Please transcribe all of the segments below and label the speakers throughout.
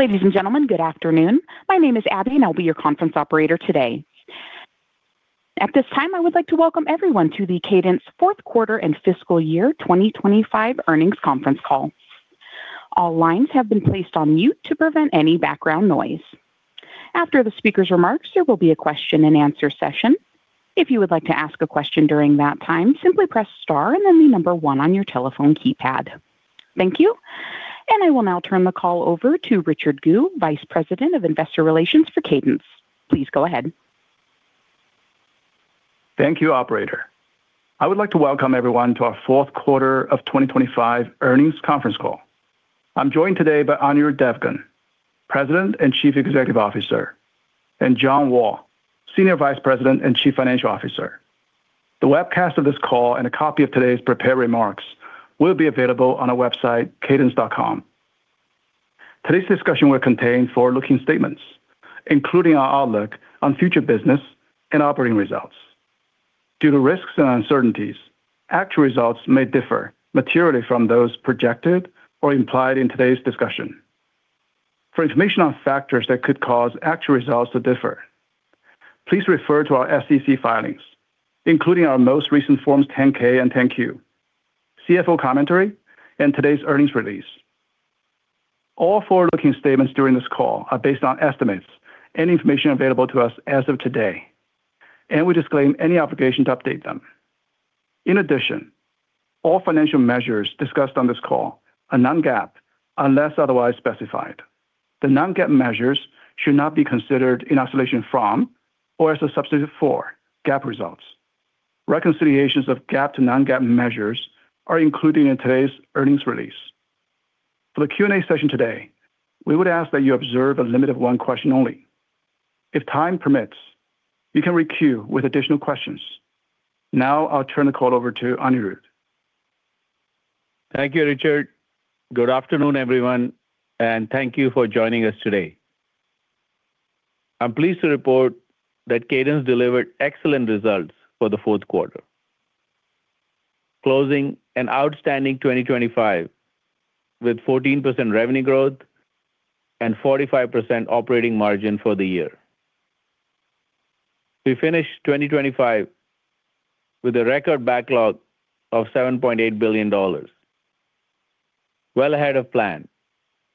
Speaker 1: Ladies and gentlemen, good afternoon. My name is Abby, and I'll be your conference operator today. At this time, I would like to welcome everyone to the Cadence fourth quarter and fiscal year 2025 earnings conference call. All lines have been placed on mute to prevent any background noise. After the speaker's remarks, there will be a question and answer session. If you would like to ask a question during that time, simply press star and then the number one on your telephone keypad. Thank you. I will now turn the call over to Richard Gu, Vice President of Investor Relations for Cadence. Please go ahead.
Speaker 2: Thank you, operator. I would like to welcome everyone to our fourth quarter of 2025 earnings conference call. I'm joined today by Anirudh Devgan, President and Chief Executive Officer, and John Wall, Senior Vice President and Chief Financial Officer. The webcast of this call and a copy of today's prepared remarks will be available on our website, cadence.com. Today's discussion will contain forward-looking statements, including our outlook on future business and operating results. Due to risks and uncertainties, actual results may differ materially from those projected or implied in today's discussion. For information on factors that could cause actual results to differ, please refer to our SEC filings, including our most recent Forms 10-K and 10-Q, CFO commentary, and today's earnings release. All forward-looking statements during this call are based on estimates and information available to us as of today, and we disclaim any obligation to update them. In addition, all financial measures discussed on this call are Non-GAAP, unless otherwise specified. The Non-GAAP measures should not be considered in isolation from or as a substitute for GAAP results. Reconciliations of GAAP to Non-GAAP measures are included in today's earnings release. For the Q&A session today, we would ask that you observe a limit of one question only. If time permits, you can requeue with additional questions. Now I'll turn the call over to Anirudh.
Speaker 3: Thank you, Richard. Good afternoon, everyone, and thank you for joining us today. I'm pleased to report that Cadence delivered excellent results for the fourth quarter, closing an outstanding 2025 with 14% revenue growth and 45% operating margin for the year. We finished 2025 with a record backlog of $7.8 billion, well ahead of plan,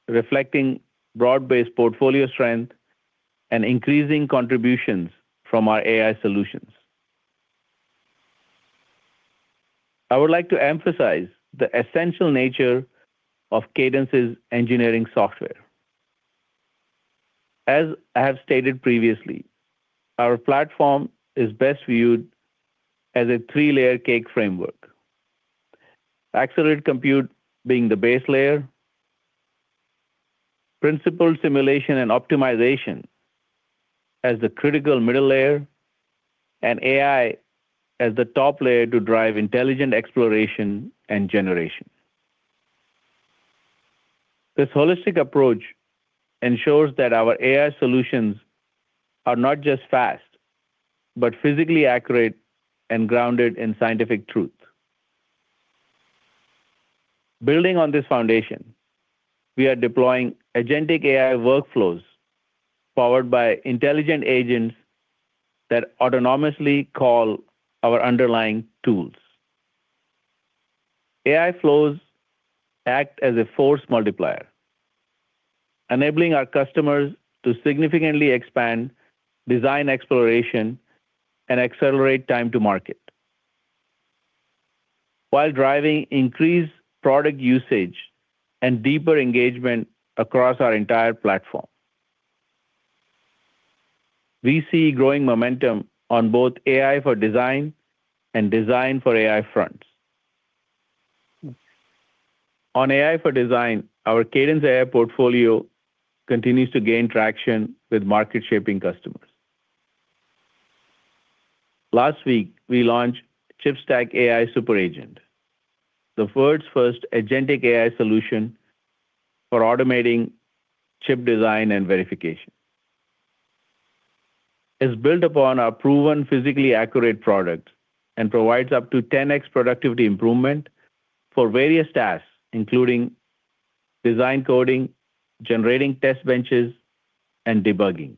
Speaker 3: reflecting broad-based portfolio strength and increasing contributions from our AI solutions. I would like to emphasize the essential nature of Cadence's engineering software. As I have stated previously, our platform is best viewed as a three-layer cake framework. Accelerated compute being the base layer, principal simulation and optimization as the critical middle layer, and AI as the top layer to drive intelligent exploration and generation. This holistic approach ensures that our AI solutions are not just fast, but physically accurate and grounded in scientific truth. Building on this foundation, we are deploying agentic AI workflows powered by intelligent agents that autonomously call our underlying tools. AI flows act as a force multiplier, enabling our customers to significantly expand design exploration and accelerate time to market, while driving increased product usage and deeper engagement across our entire platform. We see growing momentum on both AI for design and design for AI fronts. On AI for design, our Cadence AI portfolio continues to gain traction with market-shaping customers. Last week, we launched ChipStack AI Super Agent, the world's first agentic AI solution for automating chip design and verification. It's built upon our proven, physically accurate product and provides up to 10x productivity improvement for various tasks, including design coding, generating test benches, and debugging.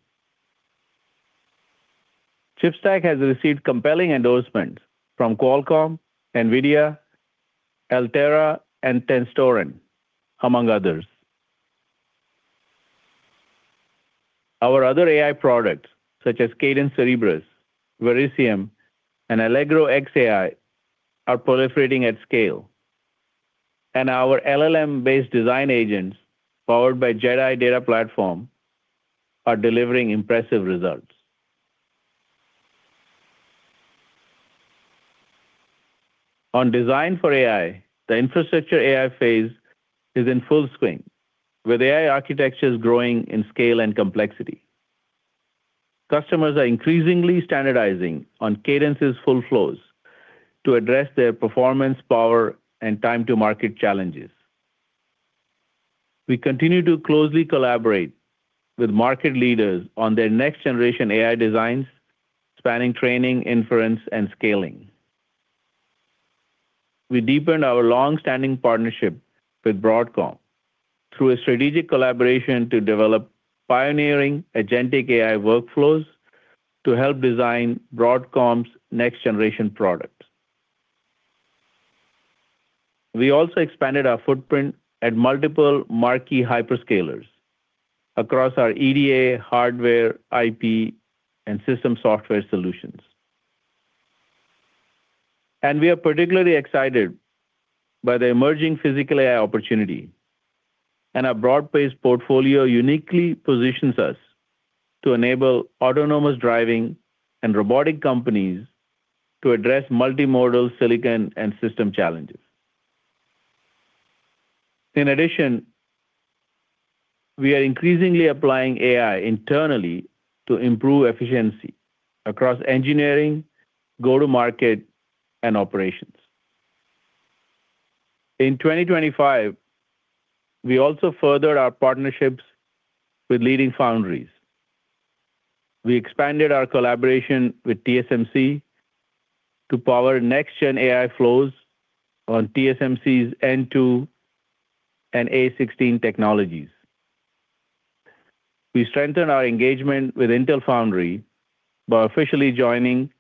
Speaker 3: ChipStack has received compelling endorsements from Qualcomm, NVIDIA, Altera, and Tenstorrent, among others. Our other AI products, such as Cadence Cerebrus, Verisium, and Allegro X AI, are proliferating at scale, and our LLM-based design agents, powered by JedAI data platform, are delivering impressive results. On design for AI, the infrastructure AI phase is in full swing, with AI architectures growing in scale and complexity. Customers are increasingly standardizing on Cadence's full flows to address their performance, power, and time to market challenges. We continue to closely collaborate with market leaders on their next-generation AI designs, spanning training, inference, and scaling. We deepened our longstanding partnership with Broadcom through a strategic collaboration to develop pioneering agentic AI workflows to help design Broadcom's next-generation products. We also expanded our footprint at multiple marquee hyperscalers across our EDA, hardware, IP, and system software solutions. And we are particularly excited by the emerging physical AI opportunity, and our broad-based portfolio uniquely positions us to enable autonomous driving and robotic companies to address multimodal silicon and system challenges. In addition, we are increasingly applying AI internally to improve efficiency across engineering, go-to-market, and operations. In 2025, we also furthered our partnerships with leading foundries. We expanded our collaboration with TSMC to power next-gen AI flows on TSMC's N2 and A16 technologies. We strengthened our engagement with Intel Foundry by officially joining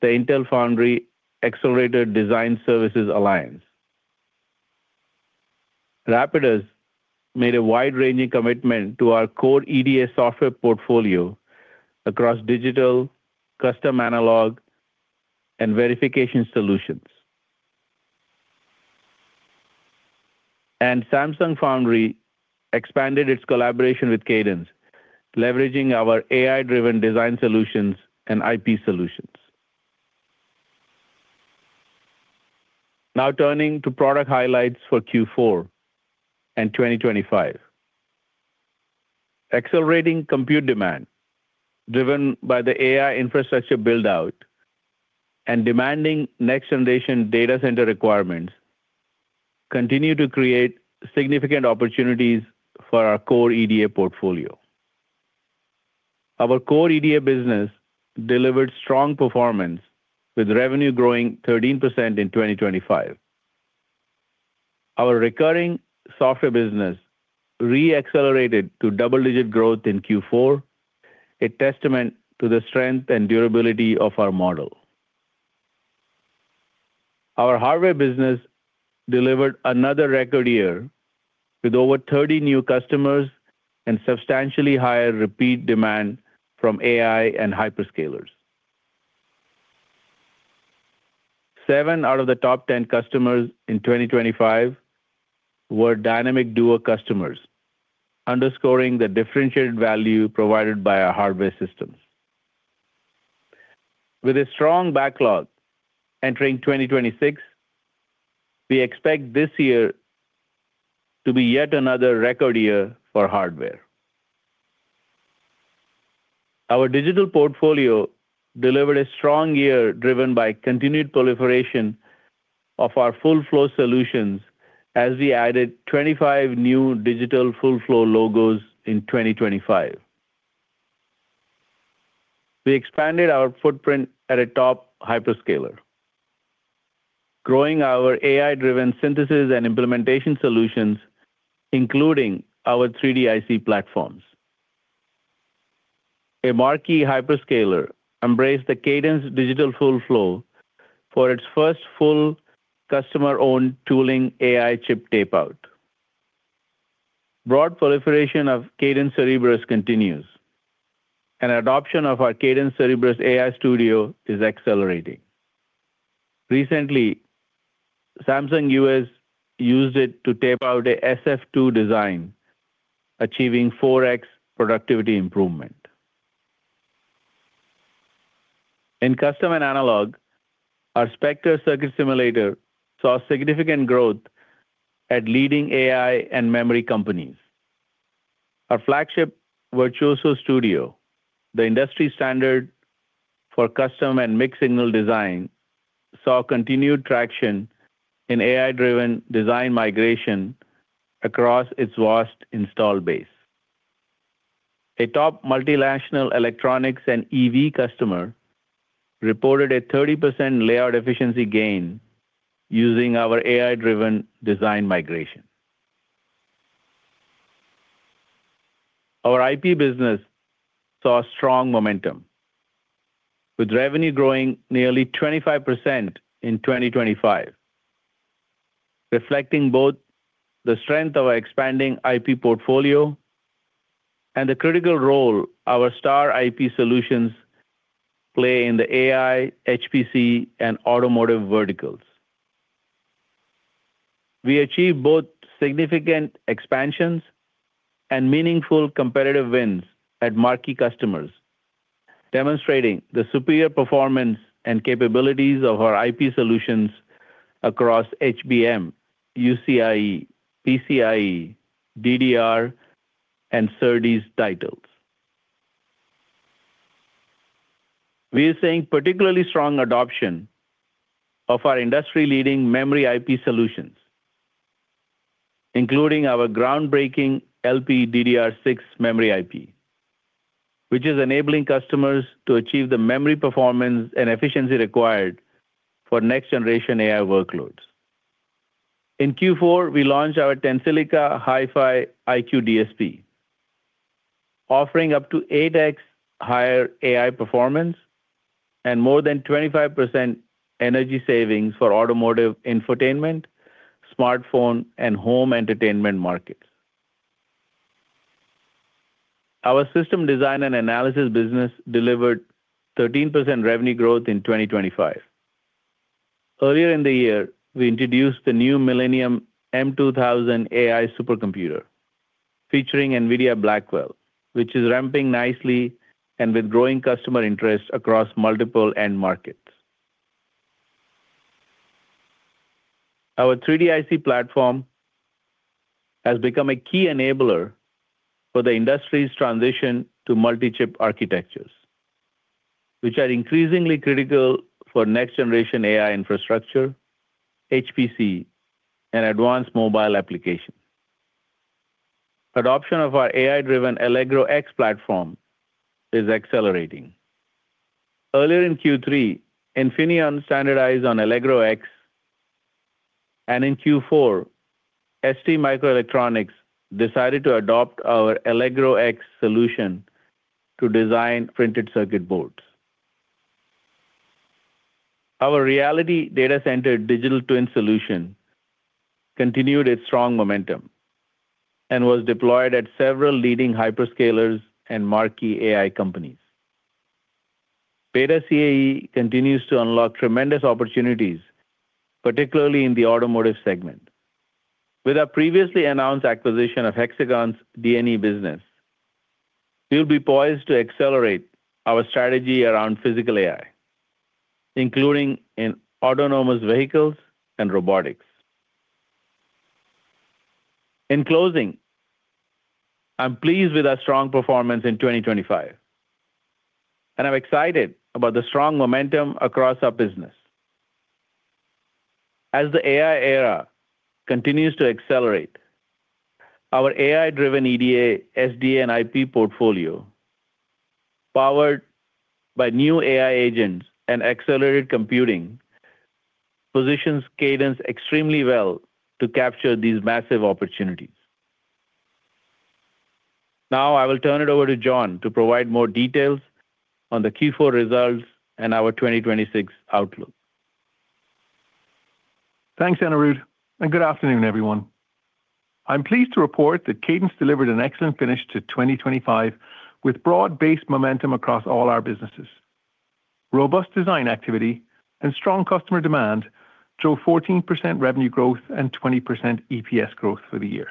Speaker 3: the Intel Foundry Accelerator Design Services Alliance. Rapidus made a wide-ranging commitment to our core EDA software portfolio across digital, custom analog, and verification solutions. And Samsung Foundry expanded its collaboration with Cadence, leveraging our AI-driven design solutions and IP solutions. Now turning to product highlights for Q4 and 2025. Accelerating compute demand, driven by the AI infrastructure build-out and demanding next-generation data center requirements, continue to create significant opportunities for our core EDA portfolio. Our core EDA business delivered strong performance, with revenue growing 13% in 2025. Our recurring software business re-accelerated to double-digit growth in Q4, a testament to the strength and durability of our model. Our hardware business delivered another record year with over 30 new customers and substantially higher repeat demand from AI and hyperscalers. Seven out of the top 10 customers in 2025 were Dynamic Duo customers, underscoring the differentiated value provided by our hardware systems. With a strong backlog entering 2026, we expect this year to be yet another record year for hardware. Our digital portfolio delivered a strong year, driven by continued proliferation of our full flow solutions as we added 25 new digital full flow logos in 2025. We expanded our footprint at a top hyperscaler, growing our AI-driven synthesis and implementation solutions, including our 3D IC platforms. A marquee hyperscaler embraced the Cadence digital full flow for its first full customer-owned tooling AI chip tape-out. Broad proliferation of Cadence Cerebrus continues, and adoption of our Cadence Cerebrus AI Studio is accelerating. Recently, Samsung US used it to tape out a SF2 design, achieving 4x productivity improvement. In custom and analog, our Spectre circuit simulator saw significant growth at leading AI and memory companies. Our flagship Virtuoso Studio, the industry standard for custom and mixed-signal design, saw continued traction in AI-driven design migration across its vast installed base. A top multinational electronics and EV customer reported a 30% layout efficiency gain using our AI-driven design migration. Our IP business saw strong momentum, with revenue growing nearly 25% in 2025, reflecting both the strength of our expanding IP portfolio and the critical role our star IP solutions play in the AI, HPC, and automotive verticals. We achieved both significant expansions and meaningful competitive wins at marquee customers, demonstrating the superior performance and capabilities of our IP solutions across HBM, UCIe, PCIe, DDR, and SerDes titles. We are seeing particularly strong adoption of our industry-leading memory IP solutions, including our groundbreaking LPDDR6 memory IP, which is enabling customers to achieve the memory performance and efficiency required for next generation AI workloads. In Q4, we launched our Tensilica HiFi iQ DSP, offering up to 8X higher AI performance and more than 25% energy savings for automotive infotainment, smartphone, and home entertainment markets. Our System Design and Analysis business delivered 13% revenue growth in 2025. Earlier in the year, we introduced the new Millennium M2000 AI supercomputer, featuring NVIDIA Blackwell, which is ramping nicely and with growing customer interest across multiple end markets. Our 3D IC platform has become a key enabler for the industry's transition to multi-chip architectures, which are increasingly critical for next generation AI infrastructure, HPC, and advanced mobile applications. Adoption of our AI-driven Allegro X platform is accelerating. Earlier in Q3, Infineon standardized on Allegro X, and in Q4, STMicroelectronics decided to adopt our Allegro X solution to design printed circuit boards. Our Reality Data Center digital twin solution continued its strong momentum and was deployed at several leading hyperscalers and marquee AI companies. Beta CAE continues to unlock tremendous opportunities, particularly in the automotive segment. With our previously announced acquisition of Hexagon's D&E business, we'll be poised to accelerate our strategy around physical AI, including in autonomous vehicles and robotics. In closing, I'm pleased with our strong performance in 2025, and I'm excited about the strong momentum across our business. As the AI era continues to accelerate, our AI-driven EDA, SDA, and IP portfolio, powered by new AI agents and accelerated computing, positions Cadence extremely well to capture these massive opportunities. Now, I will turn it over to John to provide more details on the Q4 results and our 2026 outlook.
Speaker 4: Thanks, Anirudh, and good afternoon, everyone. I'm pleased to report that Cadence delivered an excellent finish to 2025 with broad-based momentum across all our businesses. Robust design activity and strong customer demand drove 14% revenue growth and 20% EPS growth for the year.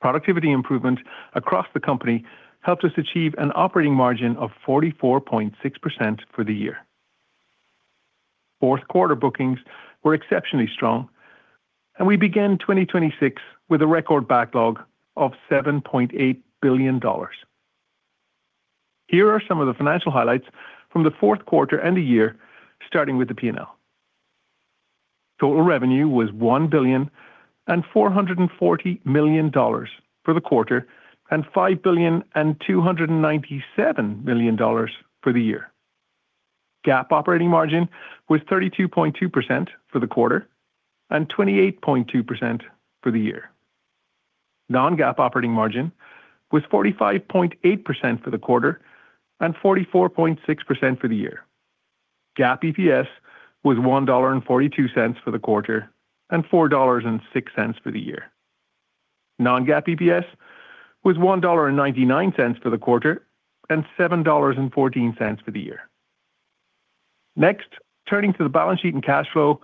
Speaker 4: Productivity improvement across the company helped us achieve an operating margin of 44.6% for the year. Fourth quarter bookings were exceptionally strong, and we began 2026 with a record backlog of $7.8 billion. Here are some of the financial highlights from the fourth quarter and the year, starting with the P&L. Total revenue was $1.44 billion for the quarter and $5.297 billion for the year. GAAP operating margin was 32.2% for the quarter and 28.2% for the year. Non-GAAP operating margin was 45.8% for the quarter and 44.6% for the year. GAAP EPS was $1.42 for the quarter and $4.06 for the year. Non-GAAP EPS was $1.99 for the quarter and $7.14 for the year. Next, turning to the balance sheet and cash flow,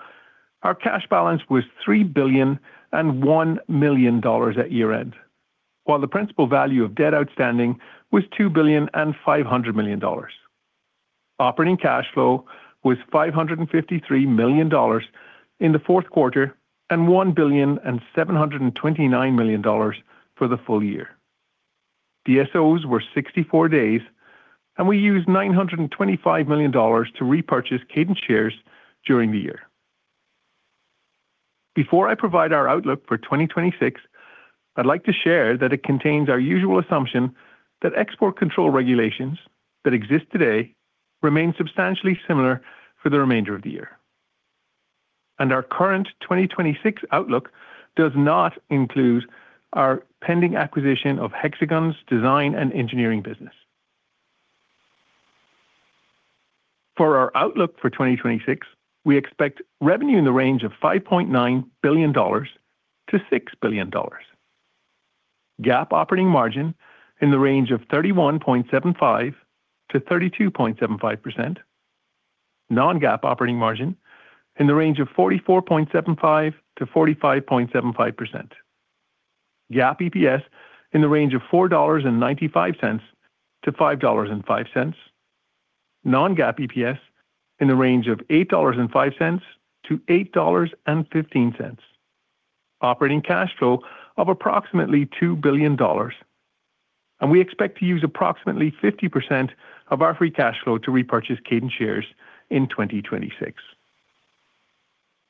Speaker 4: our cash balance was $3.001 billion at year-end, while the principal value of debt outstanding was $2.5 billion. Operating cash flow was $553 million in the fourth quarter and $1.729 billion for the full year. DSOs were 64 days, and we used $925 million to repurchase Cadence shares during the year. Before I provide our outlook for 2026, I'd like to share that it contains our usual assumption that export control regulations that exist today remain substantially similar for the remainder of the year. Our current 2026 outlook does not include our pending acquisition of Hexagon's design and engineering business. For our outlook for 2026, we expect revenue in the range of $5.9 billion-$6 billion. GAAP operating margin in the range of 31.75%-32.75%. Non-GAAP operating margin in the range of 44.75%-45.75%. GAAP EPS in the range of $4.95-$5.05. Non-GAAP EPS in the range of $8.05-$8.15. Operating cash flow of approximately $2 billion. We expect to use approximately 50% of our free cash flow to repurchase Cadence shares in 2026.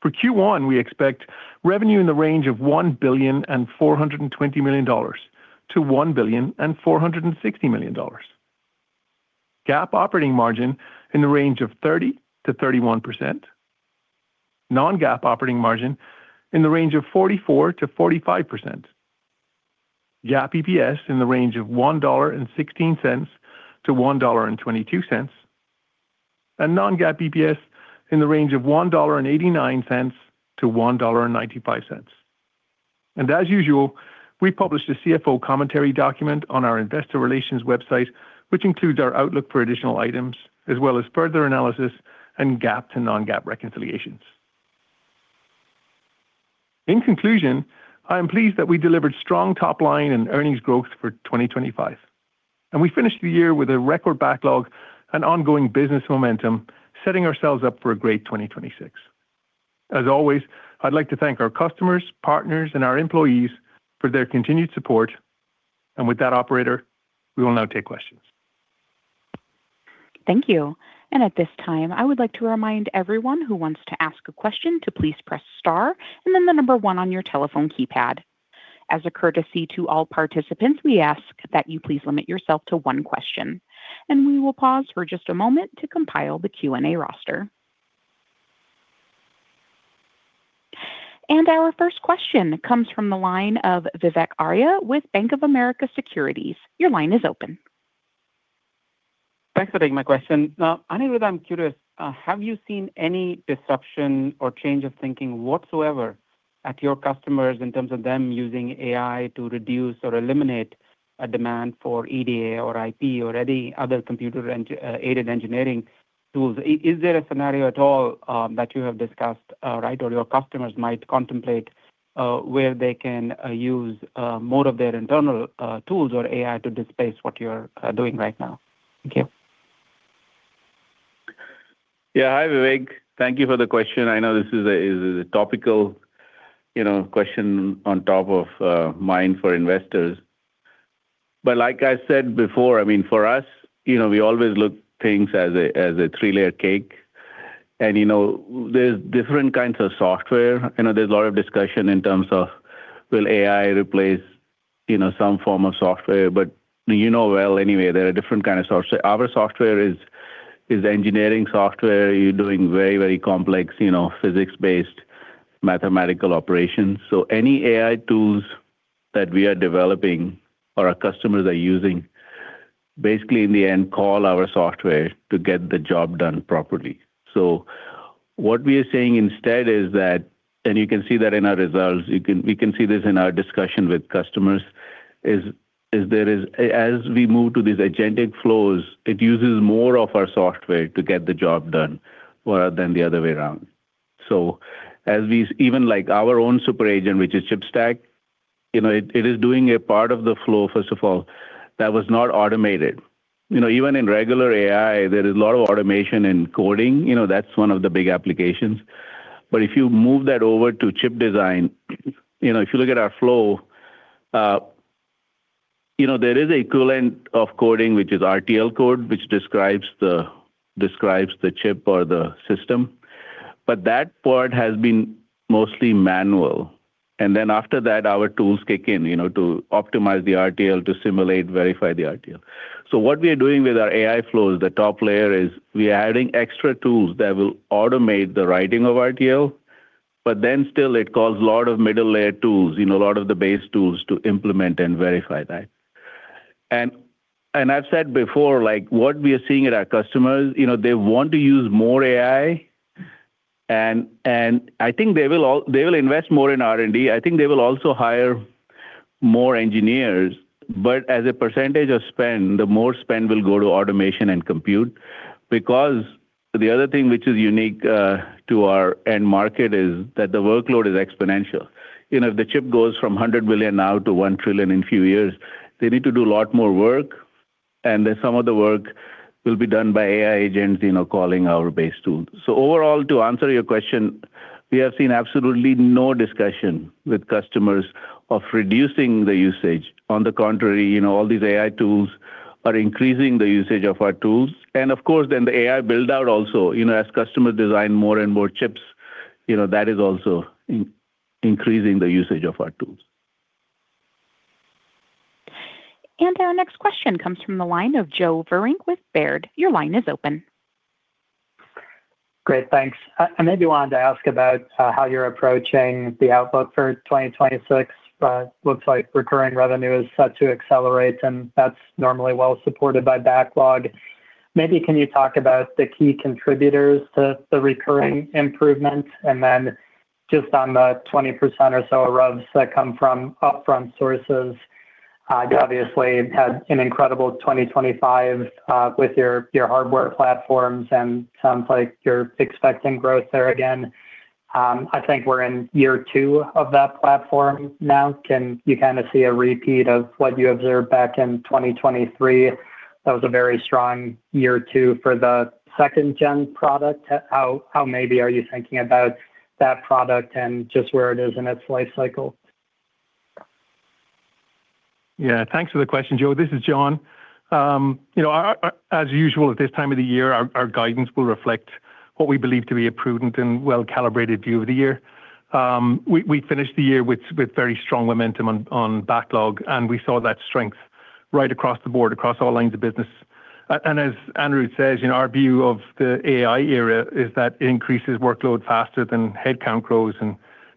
Speaker 4: For Q1, we expect revenue in the range of $1.42 billion-$1.46 billion. GAAP operating margin in the range of 30%-31%. Non-GAAP operating margin in the range of 44%-45%. GAAP EPS in the range of $1.16-$1.22, and non-GAAP EPS in the range of $1.89-$1.95. As usual, we published a CFO commentary document on our investor relations website, which includes our outlook for additional items as well as further analysis and GAAP to non-GAAP reconciliations. In conclusion, I am pleased that we delivered strong top line and earnings growth for 2025, and we finished the year with a record backlog and ongoing business momentum, setting ourselves up for a great 2026. As always, I'd like to thank our customers, partners, and our employees for their continued support. With that, operator, we will now take questions.
Speaker 1: Thank you. At this time, I would like to remind everyone who wants to ask a question to please press star and then the number 1 on your telephone keypad. As a courtesy to all participants, we ask that you please limit yourself to one question, and we will pause for just a moment to compile the Q&A roster. Our first question comes from the line of Vivek Arya with Bank of America Securities. Your line is open.
Speaker 5: Thanks for taking my question. Now, Anirudh, I'm curious. Have you seen any disruption or change of thinking whatsoever at your customers in terms of them using AI to reduce or eliminate a demand for EDA or IP or any other computer-aided engineering tools? Is there a scenario at all that you have discussed, right, or your customers might contemplate, where they can use more of their internal tools or AI to displace what you're doing right now? Thank you.
Speaker 3: Yeah, hi, Vivek. Thank you for the question. I know this is a, is a topical, you know, question on top of mind for investors. But like I said before, I mean, for us, you know, we always look things as a three-layer cake. And, you know, there's different kinds of software. You know, there's a lot of discussion in terms of will AI replace, you know, some form of software, but you know well, anyway, there are different kinds of software. Our software is engineering software. You're doing very, very complex, you know, physics-based mathematical operations. So any AI tools that we are developing or our customers are using, basically in the end, call our software to get the job done properly. So what we are saying instead is that, and you can see that in our results, we can see this in our discussion with customers, is that as we move to these agentic flows, it uses more of our software to get the job done rather than the other way around. So even like our own super agent, which is ChipStack, you know, it is doing a part of the flow, first of all, that was not automated. You know, even in regular AI, there is a lot of automation and coding. You know, that's one of the big applications. But if you move that over to chip design, you know, if you look at our flow, you know, there is equivalent of coding, which is RTL code, which describes the, describes the chip or the system, but that part has been mostly manual. And then after that, our tools kick in, you know, to optimize the RTL, to simulate, verify the RTL. So what we are doing with our AI flows, the top layer is we are adding extra tools that will automate the writing of RTL, but then still it calls a lot of middle-layer tools, you know, a lot of the base tools to implement and verify that. And, and I've said before, like, what we are seeing at our customers, you know, they want to use more AI, and, and I think they will all, they will invest more in R&D. I think they will also hire more engineers, but as a percentage of spend, the more spend will go to automation and compute because the other thing which is unique to our end market is that the workload is exponential. You know, if the chip goes from 100 billion now to 1 trillion in a few years, they need to do a lot more work, and then some of the work will be done by AI agents, you know, calling our base tool. So overall, to answer your question, we have seen absolutely no discussion with customers of reducing the usage. On the contrary, you know, all these AI tools are increasing the usage of our tools. And of course, then the AI build-out also. You know, as customers design more and more chips, you know, that is also increasing the usage of our tools.
Speaker 1: Our next question comes from the line of Joe Vruwink with Baird. Your line is open.
Speaker 6: Great. Thanks. I maybe wanted to ask about how you're approaching the outlook for 2026. Looks like recurring revenue is set to accelerate, and that's normally well supported by backlog. Maybe can you talk about the key contributors to the recurring improvements? And then just on the 20% or so of revs that come from upfront sources, you obviously had an incredible 2025 with your hardware platforms, and sounds like you're expecting growth there again. I think we're in year two of that platform now. Can you kinda see a repeat of what you observed back in 2023?... That was a very strong year 2 for the second gen product. How, how maybe are you thinking about that product and just where it is in its life cycle?
Speaker 4: Yeah, thanks for the question, Joe. This is John. You know, as usual, at this time of the year, our guidance will reflect what we believe to be a prudent and well-calibrated view of the year. We finished the year with very strong momentum on backlog, and we saw that strength right across the board, across all lines of business. And as Anirudh says, you know, our view of the AI era is that it increases workload faster than headcount grows,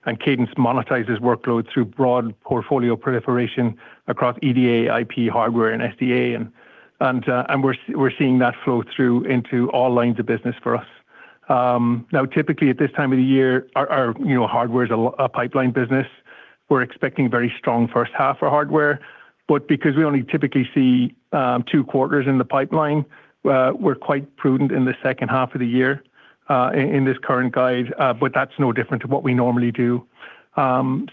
Speaker 4: and Cadence monetizes workload through broad portfolio proliferation across EDA, IP, hardware, and SDA. And we're seeing that flow through into all lines of business for us. Now, typically, at this time of the year, you know, hardware is a pipeline business. We're expecting very strong first half for hardware, but because we only typically see two quarters in the pipeline, we're quite prudent in the second half of the year, in this current guide, but that's no different to what we normally do.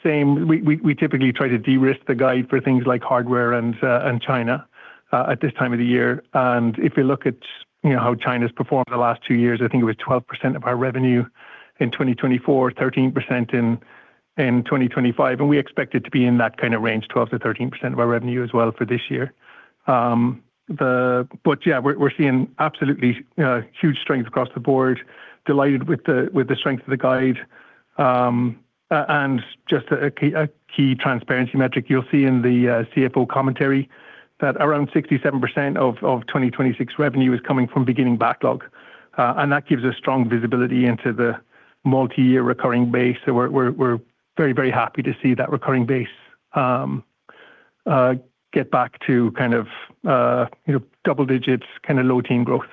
Speaker 4: Same, we typically try to de-risk the guide for things like hardware and China, at this time of the year. And if you look at, you know, how China's performed the last two years, I think it was 12% of our revenue in 2024, 13% in 2025, and we expect it to be in that kind of range, 12%-13% of our revenue as well for this year. But yeah, we're seeing absolutely huge strength across the board.
Speaker 3: Delighted with the strength of the guide. And just a key transparency metric, you'll see in the CFO commentary that around 67% of 2026 revenue is coming from beginning backlog, and that gives us strong visibility into the multi-year recurring base. So we're very, very happy to see that recurring base get back to kind of, you know, double digits, kind of low-teen growth.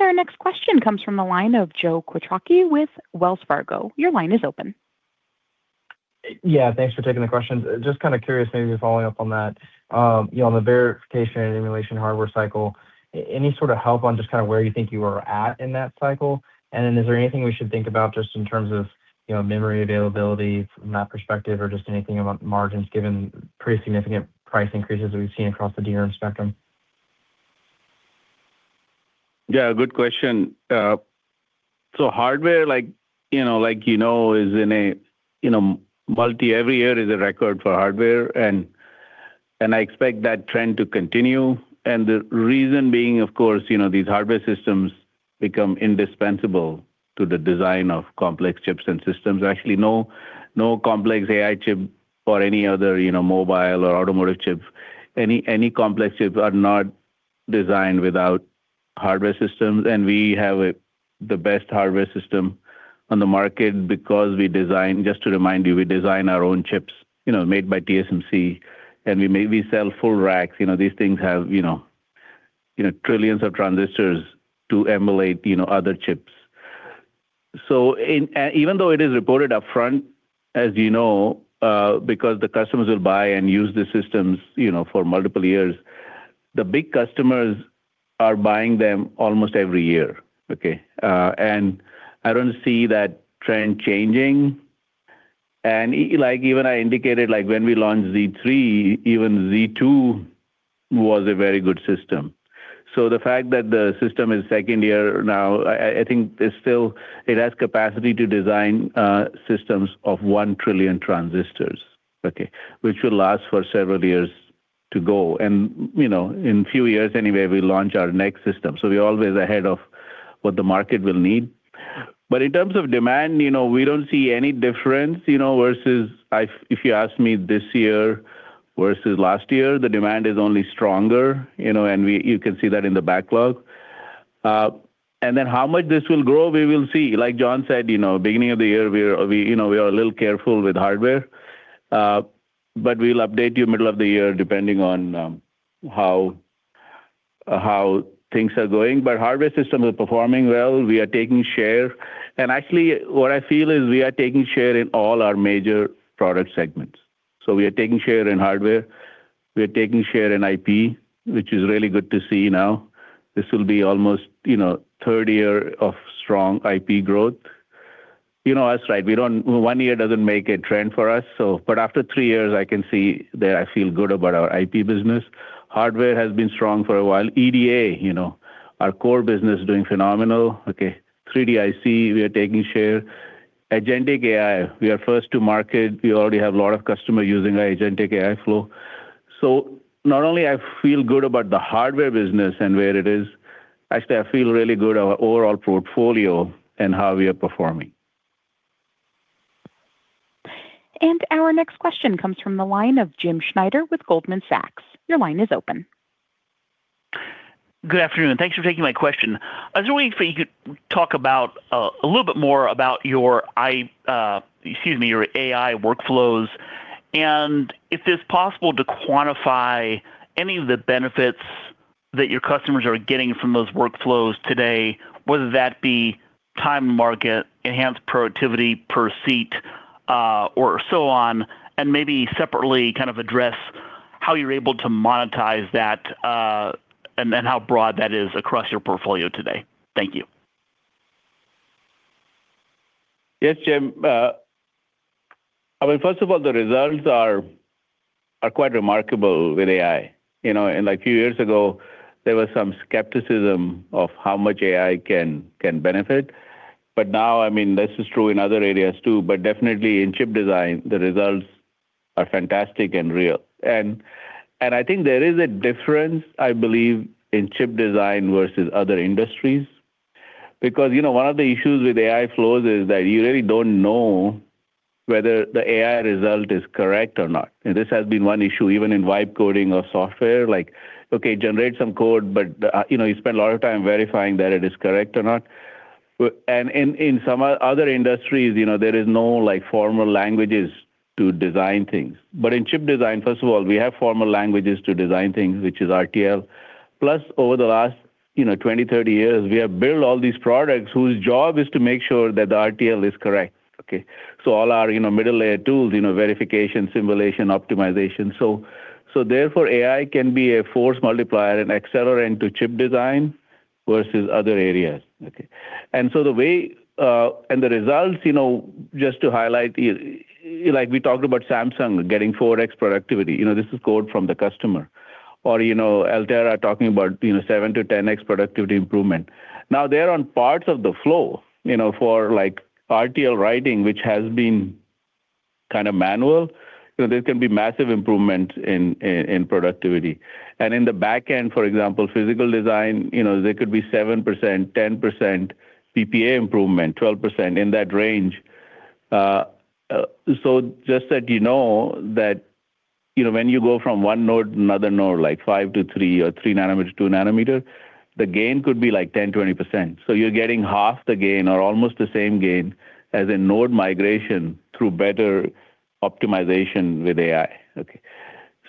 Speaker 1: Our next question comes from the line of Joe Quatrochi with Wells Fargo. Your line is open.
Speaker 7: Yeah, thanks for taking the question. Just kind of curious, maybe following up on that, you know, on the verification and emulation hardware cycle, any sort of help on just kind of where you think you are at in that cycle? And then is there anything we should think about just in terms of, you know, memory availability from that perspective, or just anything about margins, given pretty significant price increases that we've seen across the DRAM spectrum?
Speaker 3: Yeah, good question. So hardware, like, you know, is in a multi every year is a record for hardware, and I expect that trend to continue. And the reason being, of course, you know, these hardware systems become indispensable to the design of complex chips and systems. Actually, no complex AI chip or any other, you know, mobile or automotive chip, any complex chip are not designed without hardware systems. And we have the best hardware system on the market because we design... Just to remind you, we design our own chips, you know, made by TSMC, and we make, we sell full racks. You know, these things have trillions of transistors to emulate other chips. So, in even though it is reported upfront, as you know, because the customers will buy and use the systems, you know, for multiple years, the big customers are buying them almost every year, okay? And I don't see that trend changing. And even—like even I indicated, like when we launched Z3, even Z2 was a very good system. So the fact that the system is second year now, I think it's still, it has capacity to design systems of 1 trillion transistors, okay? Which will last for several years to go. And, you know, in few years, anyway, we launch our next system, so we're always ahead of what the market will need. But in terms of demand, you know, we don't see any difference, you know, versus if you ask me this year versus last year, the demand is only stronger, you know, and we, you can see that in the backlog. And then how much this will grow, we will see. Like John said, you know, beginning of the year, we're, you know, we are a little careful with hardware, but we'll update you middle of the year, depending on how things are going. But hardware system is performing well. We are taking share, and actually, what I feel is we are taking share in all our major product segments. So we are taking share in hardware, we are taking share in IP, which is really good to see now. This will be almost, you know, third year of strong IP growth. You know us, right? We don't, one year doesn't make a trend for us, so but after three years, I can see that I feel good about our IP business. Hardware has been strong for a while. EDA, you know, our core business is doing phenomenal, okay. 3D IC, we are taking share. Agentic AI, we are first to market. We already have a lot of customers using our Agentic AI flow. So not only I feel good about the hardware business and where it is, actually, I feel really good our overall portfolio and how we are performing.
Speaker 1: Our next question comes from the line of Jim Schneider with Goldman Sachs. Your line is open.
Speaker 8: Good afternoon, thanks for taking my question. I was wondering if you could talk about a little bit more about your AI workflows, and if it's possible to quantify any of the benefits that your customers are getting from those workflows today, whether that be time to market, enhanced productivity per seat, or so on, and maybe separately kind of address how you're able to monetize that, and then how broad that is across your portfolio today. Thank you....
Speaker 3: Yes, Jim, I mean, first of all, the results are, are quite remarkable with AI. You know, and like a few years ago, there was some skepticism of how much AI can, can benefit, but now, I mean, this is true in other areas too, but definitely in chip design, the results are fantastic and real. And, and I think there is a difference, I believe, in chip design versus other industries, because, you know, one of the issues with AI flows is that you really don't know whether the AI result is correct or not. And this has been one issue, even in writing code or software, like, okay, generate some code, but, you know, you spend a lot of time verifying that it is correct or not. But in some other industries, you know, there is no, like, formal languages to design things. But in chip design, first of all, we have formal languages to design things, which is RTL. Plus, over the last, you know, 20, 30 years, we have built all these products whose job is to make sure that the RTL is correct, okay? So all our, you know, middle layer tools, you know, verification, simulation, optimization. So therefore, AI can be a force multiplier and accelerant to chip design versus other areas, okay? And so the way and the results, you know, just to highlight, like, we talked about Samsung getting 4x productivity. You know, this is code from the customer. Or, you know, Altera are talking about, you know, 7-10x productivity improvement. Now, they're on parts of the flow, you know, for, like, RTL writing, which has been kinda manual. So there can be massive improvement in productivity. And in the back end, for example, physical design, you know, there could be 7%, 10% PPA improvement, 12% in that range. So just that you know that, you know, when you go from one node to another node, like 5 to 3 or 3 nanometer to 2 nanometer, the gain could be like 10, 20%. So you're getting half the gain or almost the same gain as in node migration through better optimization with AI, okay.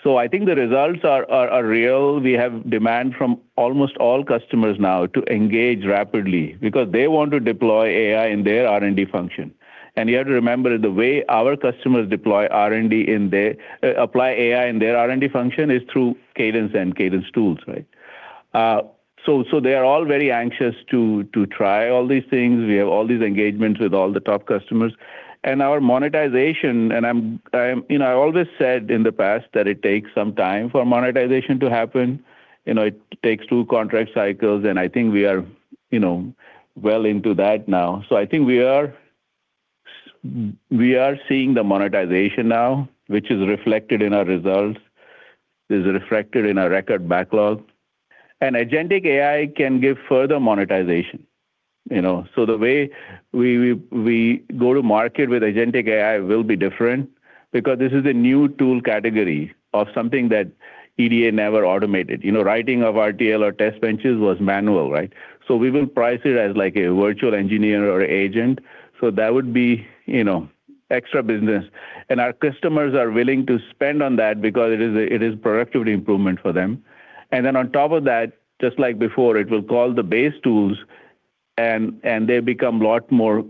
Speaker 3: So I think the results are real. We have demand from almost all customers now to engage rapidly because they want to deploy AI in their R&D function. You have to remember, the way our customers apply AI in their R&D function is through Cadence and Cadence tools, right? So they are all very anxious to try all these things. We have all these engagements with all the top customers. Our monetization, you know, I always said in the past that it takes some time for monetization to happen. You know, it takes two contract cycles, and I think we are, you know, well into that now. So I think we are seeing the monetization now, which is reflected in our results, is reflected in our record backlog. And agentic AI can give further monetization, you know. So the way we go to market with agentic AI will be different because this is a new tool category of something that EDA never automated. You know, writing of RTL or test benches was manual, right? So we will price it as like a virtual engineer or agent. So that would be, you know, extra business, and our customers are willing to spend on that because it is a, it is productivity improvement for them. And then on top of that, just like before, it will call the base tools and, and they become a lot more,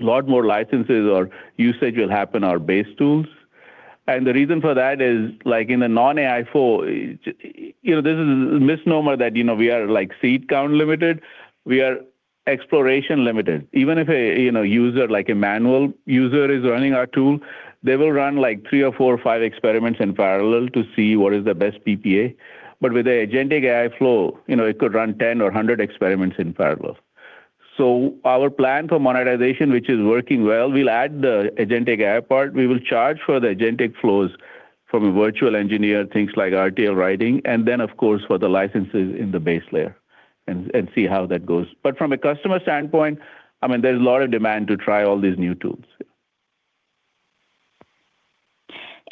Speaker 3: lot more licenses or usage will happen on our base tools. And the reason for that is, like in a non-AI flow, you know, this is a misnomer that, you know, we are, like, seat count limited. We are exploration limited. Even if, you know, a user, like a manual user, is running our tool, they will run like 3 or 4 or 5 experiments in parallel to see what is the best PPA. But with the agentic AI flow, you know, it could run 10 or 100 experiments in parallel. So our plan for monetization, which is working well, we'll add the agentic AI part. We will charge for the agentic flows from a virtual engineer, things like RTL writing, and then, of course, for the licenses in the base layer and see how that goes. But from a customer standpoint, I mean, there's a lot of demand to try all these new tools.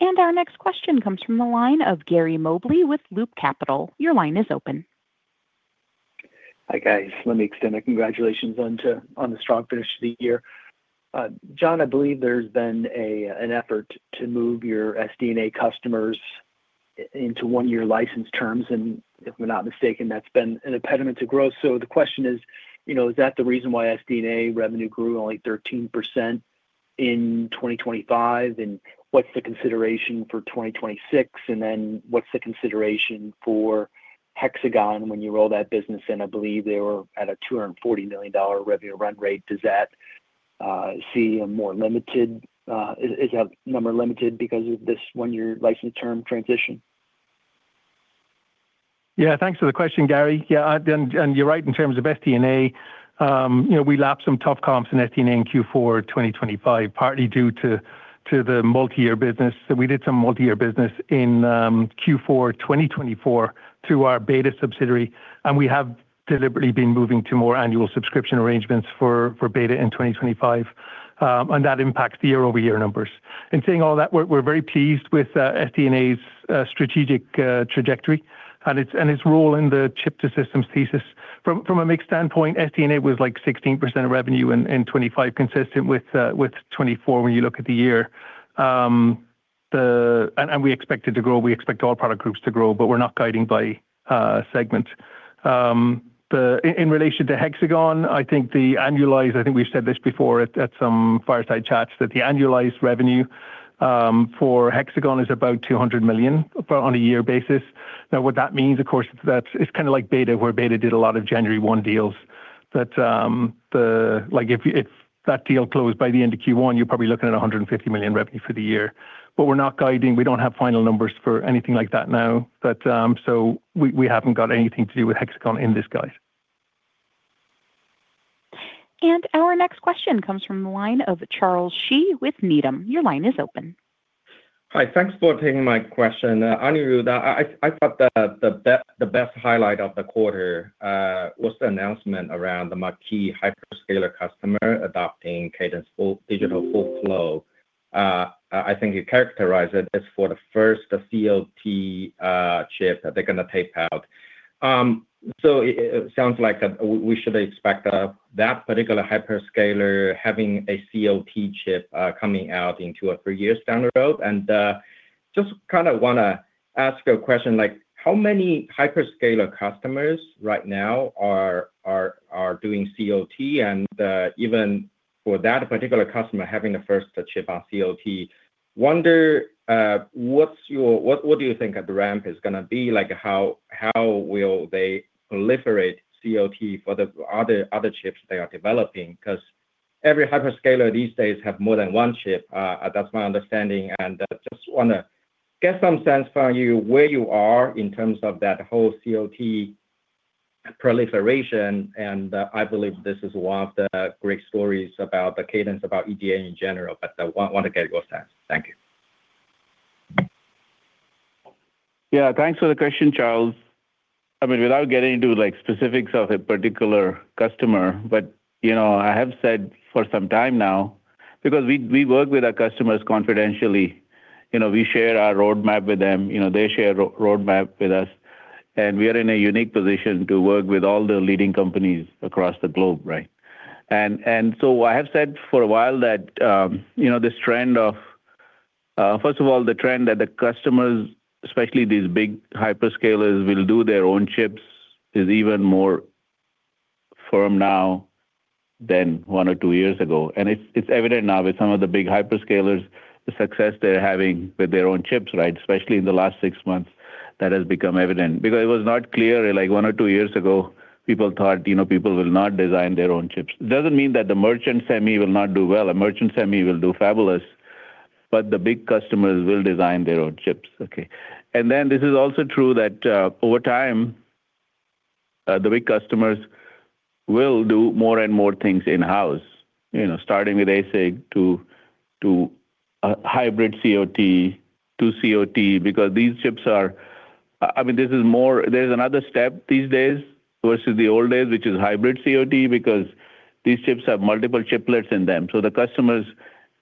Speaker 1: Our next question comes from the line of Gary Mobley with Loop Capital. Your line is open.
Speaker 9: Hi, guys. Let me extend my congratulations on the strong finish to the year. John, I believe there's been an effort to move your SDA customers into one-year license terms, and if we're not mistaken, that's been an impediment to growth. So the question is, you know, is that the reason why SDA revenue grew only 13% in 2025? And what's the consideration for 2026? And then what's the consideration for Hexagon when you roll that business in? I believe they were at a $240 million revenue run rate. Does that see a more limited, is that number limited because of this one-year license term transition?
Speaker 4: Yeah, thanks for the question, Gary. Yeah, and you're right in terms of SDA, you know, we lapped some tough comps in SDA in Q4 2025, partly due to the multiyear business. So we did some multiyear business in Q4 2024 through our Beta subsidiary, and we have deliberately been moving to more annual subscription arrangements for Beta in 2025, and that impacts the year-over-year numbers. In saying all that, we're very pleased with SDA's strategic trajectory and its role in the chip to systems thesis. From a mix standpoint, SDA was, like, 16% of revenue in 2025, consistent with 2024 when you look at the year. And we expect it to grow. We expect all product groups to grow, but we're not guiding by segment. The... In relation to Hexagon, I think the annualized, I think we've said this before at, at some fireside chats, that the annualized revenue for Hexagon is about $200 million per on a year basis.... Now, what that means, of course, is that it's kind of like Beta, where Beta did a lot of January one deals that, like, if that deal closed by the end of Q1, you're probably looking at $150 million revenue for the year. But we're not guiding. We don't have final numbers for anything like that now, but so we haven't got anything to do with Hexagon in disguise.
Speaker 1: Our next question comes from the line of Charles Shi with Needham. Your line is open.
Speaker 10: Hi. Thanks for taking my question. Anirudh, I thought that the best highlight of the quarter was the announcement around the marquee hyperscaler customer adopting Cadence full digital full flow. I think you characterize it as for the first COT chip that they're gonna tape out. So it sounds like we should expect that particular hyperscaler having a COT chip coming out in two or three years down the road. And just kind of wanna ask a question, like, how many hyperscaler customers right now are doing COT? And even for that particular customer, having the first chip on COT, wonder, what's your what do you think the ramp is gonna be? Like, how will they proliferate COT for the other chips they are developing? Because every hyperscaler these days have more than one chip, that's my understanding, and just wanna get some sense from you where you are in terms of that whole COT proliferation. And I believe this is one of the great stories about the Cadence, about EDA in general, but I want, want to get your sense. Thank you.
Speaker 3: Yeah, thanks for the question, Charles. I mean, without getting into, like, specifics of a particular customer, but, you know, I have said for some time now, because we, we work with our customers confidentially, you know, we share our roadmap with them, you know, they share roadmap with us, and we are in a unique position to work with all the leading companies across the globe, right? And, and so I have said for a while that, you know, this trend of, first of all, the trend that the customers, especially these big hyperscalers, will do their own chips, is even more firm now than one or two years ago. And it's, it's evident now with some of the big hyperscalers, the success they're having with their own chips, right? Especially in the last six months, that has become evident. Because it was not clear, like one or two years ago, people thought, you know, people will not design their own chips. It doesn't mean that the merchant semi will not do well. A merchant semi will do fabulous, but the big customers will design their own chips, okay. And then this is also true that, over time, the big customers will do more and more things in-house. You know, starting with ASIC to hybrid COT to COT, because these chips are... I mean, this is more, there's another step these days versus the old days, which is hybrid COT, because these chips have multiple chiplets in them, so the customers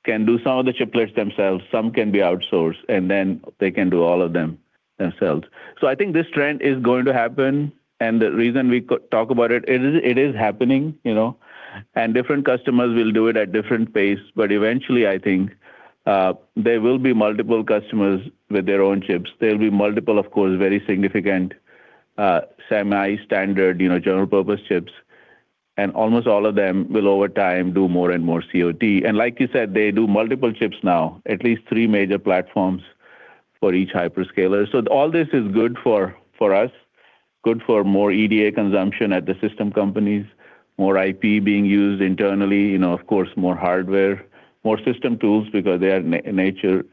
Speaker 3: can do some of the chiplets themselves, some can be outsourced, and then they can do all of them themselves. So I think this trend is going to happen, and the reason we talk about it, it is happening, you know, and different customers will do it at different pace. But eventually, I think, there will be multiple customers with their own chips. There'll be multiple, of course, very significant, semi-standard, you know, general-purpose chips, and almost all of them will, over time, do more and more COT. And like you said, they do multiple chips now, at least three major platforms for each hyperscaler. So all this is good for us, good for more EDA consumption at the system companies, more IP being used internally, you know, of course, more hardware, more system tools, because they are nature,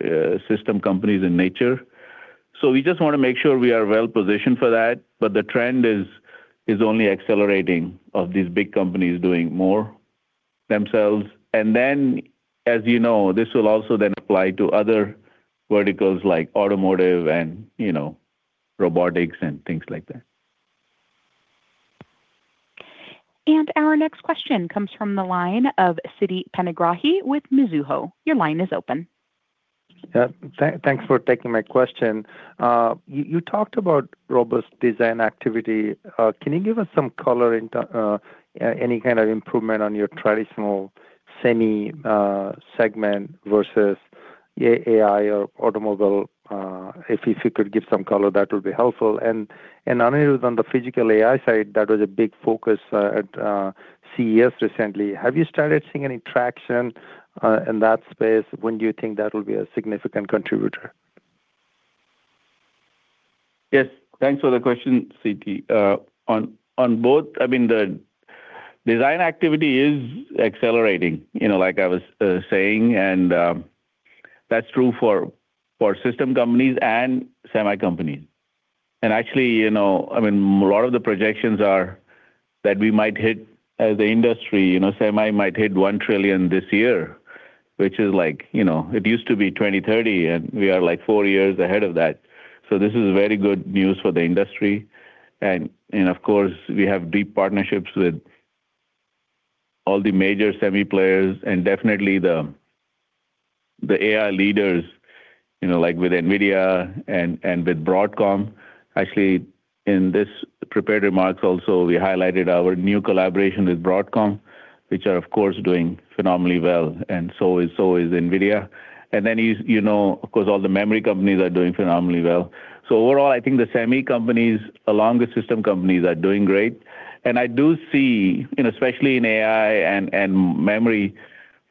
Speaker 3: system companies in nature. So we just want to make sure we are well positioned for that. But the trend is only accelerating of these big companies doing more themselves. And then, as you know, this will also then apply to other verticals like automotive and, you know, robotics and things like that.
Speaker 1: Our next question comes from the line of Siti Panigrahi with Mizuho. Your line is open.
Speaker 11: Yeah. Thanks for taking my question. You talked about robust design activity. Can you give us some color into any kind of improvement on your traditional semi segment versus AI or automobile? If you could give some color, that would be helpful. And Anirudh, on the physical AI side, that was a big focus at CES recently. Have you started seeing any traction in that space? When do you think that will be a significant contributor?
Speaker 3: Yes. Thanks for the question, Siddhi. On both, I mean, the design activity is accelerating, you know, like I was saying, and that's true for system companies and semi companies. And actually, you know, I mean, a lot of the projections are that we might hit, as an industry, you know, semi might hit $1 trillion this year, which is like, you know, it used to be 2030, and we are, like, 4 years ahead of that. So this is very good news for the industry. And of course, we have deep partnerships with all the major semi players and definitely the AI leaders, you know, like with NVIDIA and with Broadcom. Actually, in this prepared remarks also, we highlighted our new collaboration with Broadcom, which are, of course, doing phenomenally well, and so is, so is NVIDIA. And then you, you know, of course, all the memory companies are doing phenomenally well. So overall, I think the semi companies along with system companies are doing great. And I do see, you know, especially in AI and memory,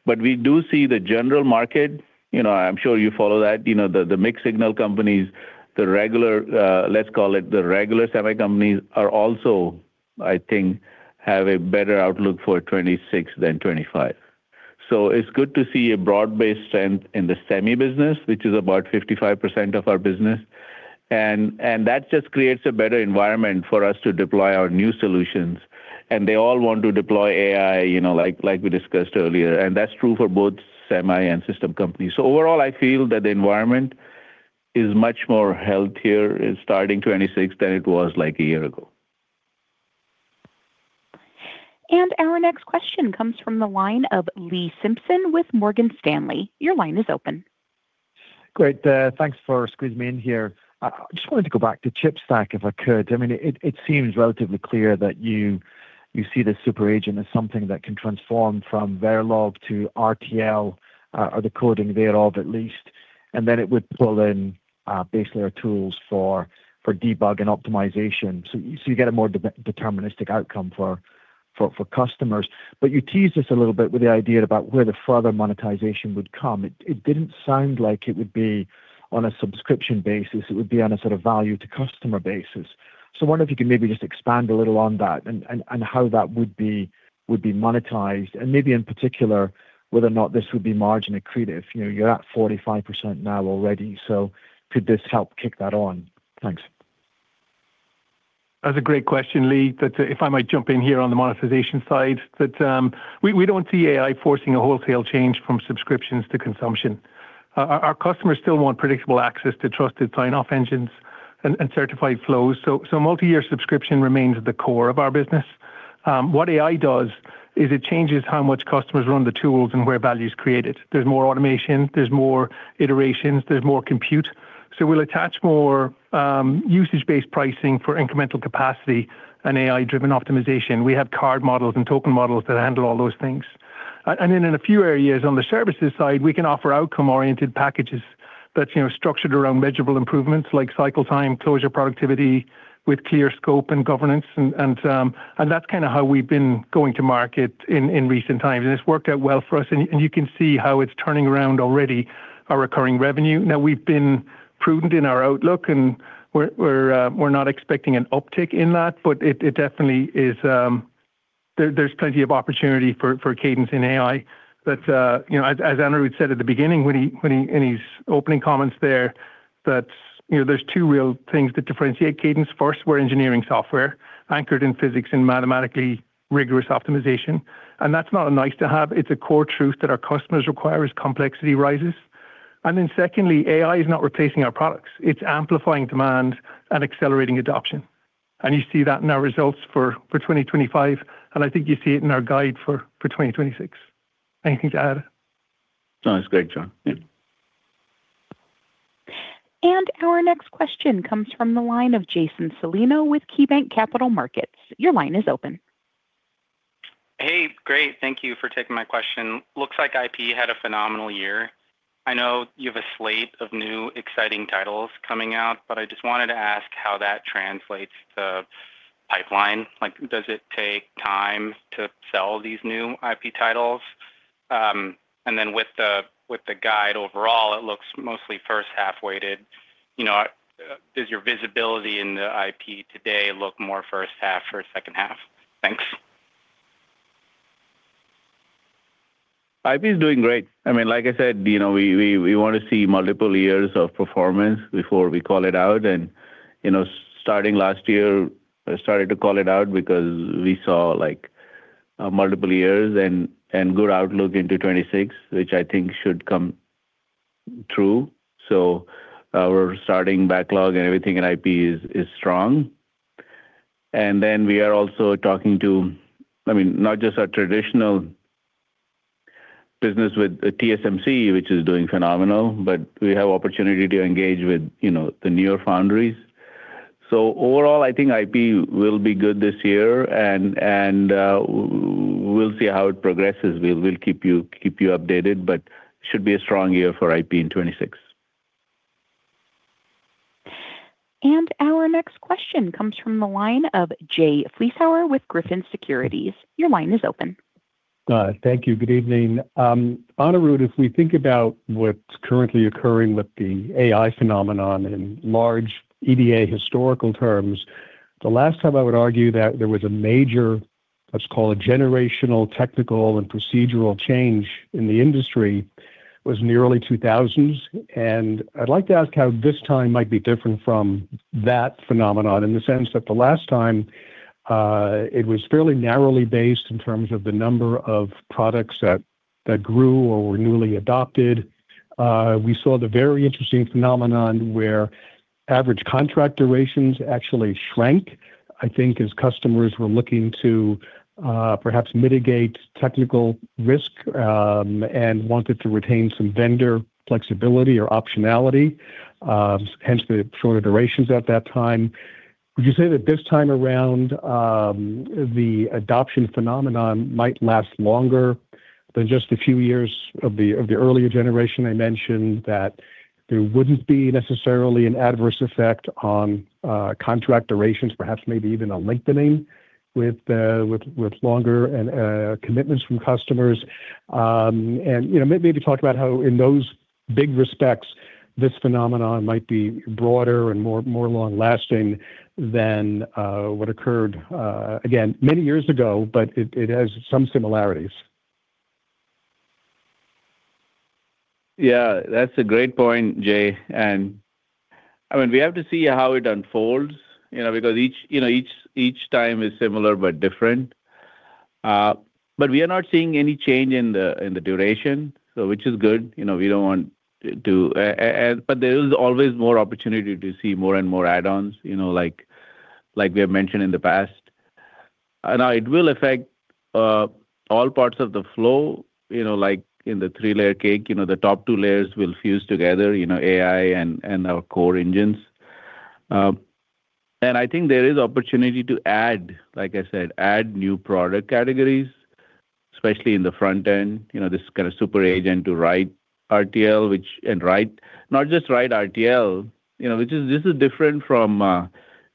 Speaker 3: but we do see the general market, you know, I'm sure you follow that, you know, the mixed signal companies, the regular, let's call it the regular semi companies, are also, I think, have a better outlook for 2026 than 2025. So it's good to see a broad-based strength in the semi business, which is about 55% of our business, and that just creates a better environment for us to deploy our new solutions. And they all want to deploy AI, you know, like we discussed earlier, and that's true for both semi and system companies. Overall, I feel that the environment is much more healthier in starting 2026 than it was like a year ago.
Speaker 1: Our next question comes from the line of Lee Simpson with Morgan Stanley. Your line is open.
Speaker 12: Great, thanks for squeezing me in here. I just wanted to go back to chip stack, if I could. I mean, it seems relatively clear that you see the super agent as something that can transform from Verilog to RTL, or the coding thereof, at least, and then it would pull in basically our tools for debug and optimization. So you get a more deterministic outcome for customers. But you teased us a little bit with the idea about where the further monetization would come. It didn't sound like it would be on a subscription basis; it would be on a sort of value-to-customer basis. So I wonder if you could maybe just expand a little on that and how that would be monetized, and maybe in particular, whether or not this would be margin accretive. You know, you're at 45% now already, so could this help kick that on? Thanks.
Speaker 4: That's a great question, Lee. But, if I might jump in here on the monetization side, that, we don't see AI forcing a wholesale change from subscriptions to consumption. Our customers still want predictable access to trusted sign-off engines and certified flows, so multi-year subscription remains the core of our business. What AI does is it changes how much customers run the tools and where value is created. There's more automation, there's more iterations, there's more compute. So we'll attach more, usage-based pricing for incremental capacity and AI-driven optimization. We have card models and token models that handle all those things. And then in a few areas on the services side, we can offer outcome-oriented packages that's, you know, structured around measurable improvements, like cycle time, closure productivity, with clear scope and governance, and, and, and that's kinda how we've been going to market in, in recent times, and it's worked out well for us, and you, and you can see how it's turning around already our recurring revenue. Now, we've been prudent in our outlook, and we're, we're, we're not expecting an uptick in that, but it, it definitely is, there, there's plenty of opportunity for, for Cadence in AI. But, you know, as, as Anirudh said at the beginning, when he, when he, in his opening comments there, that, you know, there's two real things that differentiate Cadence. First, we're engineering software anchored in physics and mathematically rigorous optimization, and that's not a nice-to-have, it's a core truth that our customers require as complexity rises. Then secondly, AI is not replacing our products. It's amplifying demand and accelerating adoption. And you see that in our results for 2025, and I think you see it in our guide for 2026. Anything to add?
Speaker 3: No, it's great, John. Yeah.
Speaker 1: Our next question comes from the line of Jason Cellino with KeyBanc Capital Markets. Your line is open.
Speaker 13: Hey, great. Thank you for taking my question. Looks like IP had a phenomenal year. I know you have a slate of new, exciting titles coming out, but I just wanted to ask how that translates to pipeline. Like, does it take time to sell these new IP titles? And then with the guide overall, it looks mostly first half-weighted. You know, does your visibility in the IP today look more first half or second half? Thanks.
Speaker 3: IP is doing great. I mean, like I said, you know, we wanna see multiple years of performance before we call it out, and, you know, starting last year, I started to call it out because we saw, like, multiple years and good outlook into 2026, which I think should come true. So our starting backlog and everything in IP is strong. And then we are also talking to, I mean, not just our traditional business with TSMC, which is doing phenomenal, but we have opportunity to engage with, you know, the newer foundries. So overall, I think IP will be good this year, and we'll see how it progresses. We'll keep you updated, but should be a strong year for IP in 2026.
Speaker 1: Our next question comes from the line of Jay Vleeschhouwer with Griffin Securities. Your line is open.
Speaker 14: Thank you. Good evening. Anirudh, if we think about what's currently occurring with the AI phenomenon in large EDA historical terms, the last time I would argue that there was a major, let's call a generational, technical, and procedural change in the industry was in the early 2000s, and I'd like to ask how this time might be different from that phenomenon. In the sense that the last time, it was fairly narrowly based in terms of the number of products that grew or were newly adopted. We saw the very interesting phenomenon where average contract durations actually shrank. I think as customers were looking to perhaps mitigate technical risk and wanted to retain some vendor flexibility or optionality, hence the shorter durations at that time. Would you say that this time around, the adoption phenomenon might last longer than just a few years?... of the earlier generation, I mentioned that there wouldn't be necessarily an adverse effect on contract durations, perhaps maybe even a lengthening with longer commitments from customers. And you know, maybe talk about how in those big respects, this phenomenon might be broader and more long-lasting than what occurred again many years ago, but it has some similarities.
Speaker 3: Yeah, that's a great point, Jay. And, I mean, we have to see how it unfolds, you know, because each time is similar but different. But we are not seeing any change in the duration, so which is good. You know, we don't want to, but there is always more opportunity to see more and more add-ons, you know, like we have mentioned in the past. And now it will affect all parts of the flow, you know, like in the three-layer cake, you know, the top two layers will fuse together, you know, AI and our core engines. And I think there is opportunity to add, like I said, add new product categories, especially in the front end, you know, this kind of super agent to write RTL, which and write, not just write RTL, you know, which is this is different from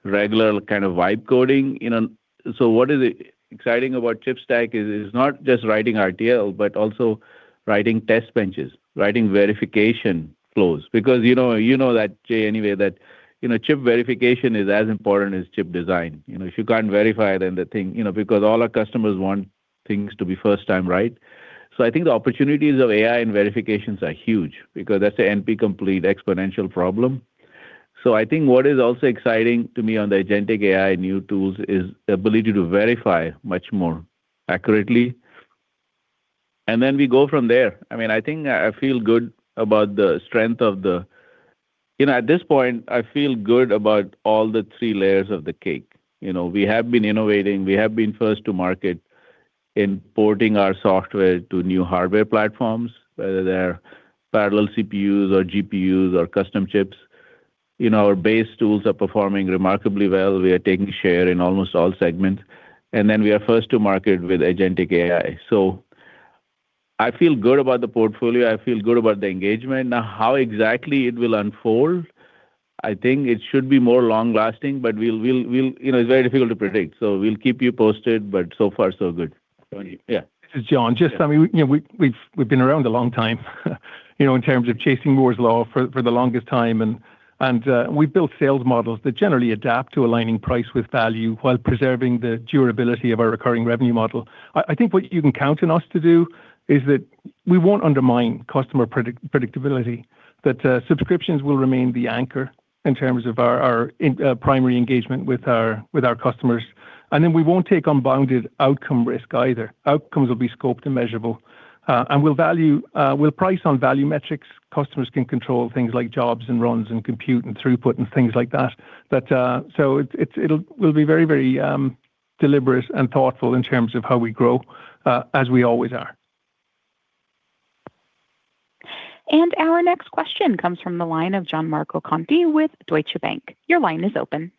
Speaker 3: regular kind of vibe coding, you know. So what is exciting about ChipStack is, is not just writing RTL, but also writing test benches, writing verification flows. Because you know, you know that, Jay, anyway, that, you know, chip verification is as important as chip design. You know, if you can't verify it, then the thing you know, because all our customers want things to be first time right. So I think the opportunities of AI and verifications are huge because that's a NP-complete exponential problem. So I think what is also exciting to me on the agentic AI new tools is the ability to verify much more accurately, and then we go from there. I mean, I think I feel good about the strength of the, you know, at this point, I feel good about all the three layers of the cake. You know, we have been innovating, we have been first to market in porting our software to new hardware platforms, whether they're parallel CPUs or GPUs or custom chips. You know, our base tools are performing remarkably well. We are taking share in almost all segments, and then we are first to market with agentic AI. So I feel good about the portfolio. I feel good about the engagement. Now, how exactly it will unfold, I think it should be more long-lasting, but we'll, you know, it's very difficult to predict, so we'll keep you posted, but so far, so good. Yeah.
Speaker 4: This is John. Just, I mean, you know, we've been around a long time, you know, in terms of chasing Moore's Law for the longest time, and we've built sales models that generally adapt to aligning price with value while preserving the durability of our recurring revenue model. I think what you can count on us to do is that we won't undermine customer predictability, that subscriptions will remain the anchor in terms of our primary engagement with our customers. And then we won't take unbounded outcome risk either. Outcomes will be scoped and measurable, and we'll value, we'll price on value metrics. Customers can control things like jobs and runs and compute and throughput and things like that. But, so it'll be very, very deliberate and thoughtful in terms of how we grow, as we always are.
Speaker 1: And our next question comes from the line of Gianmarco Conti with Deutsche Bank. Your line is open.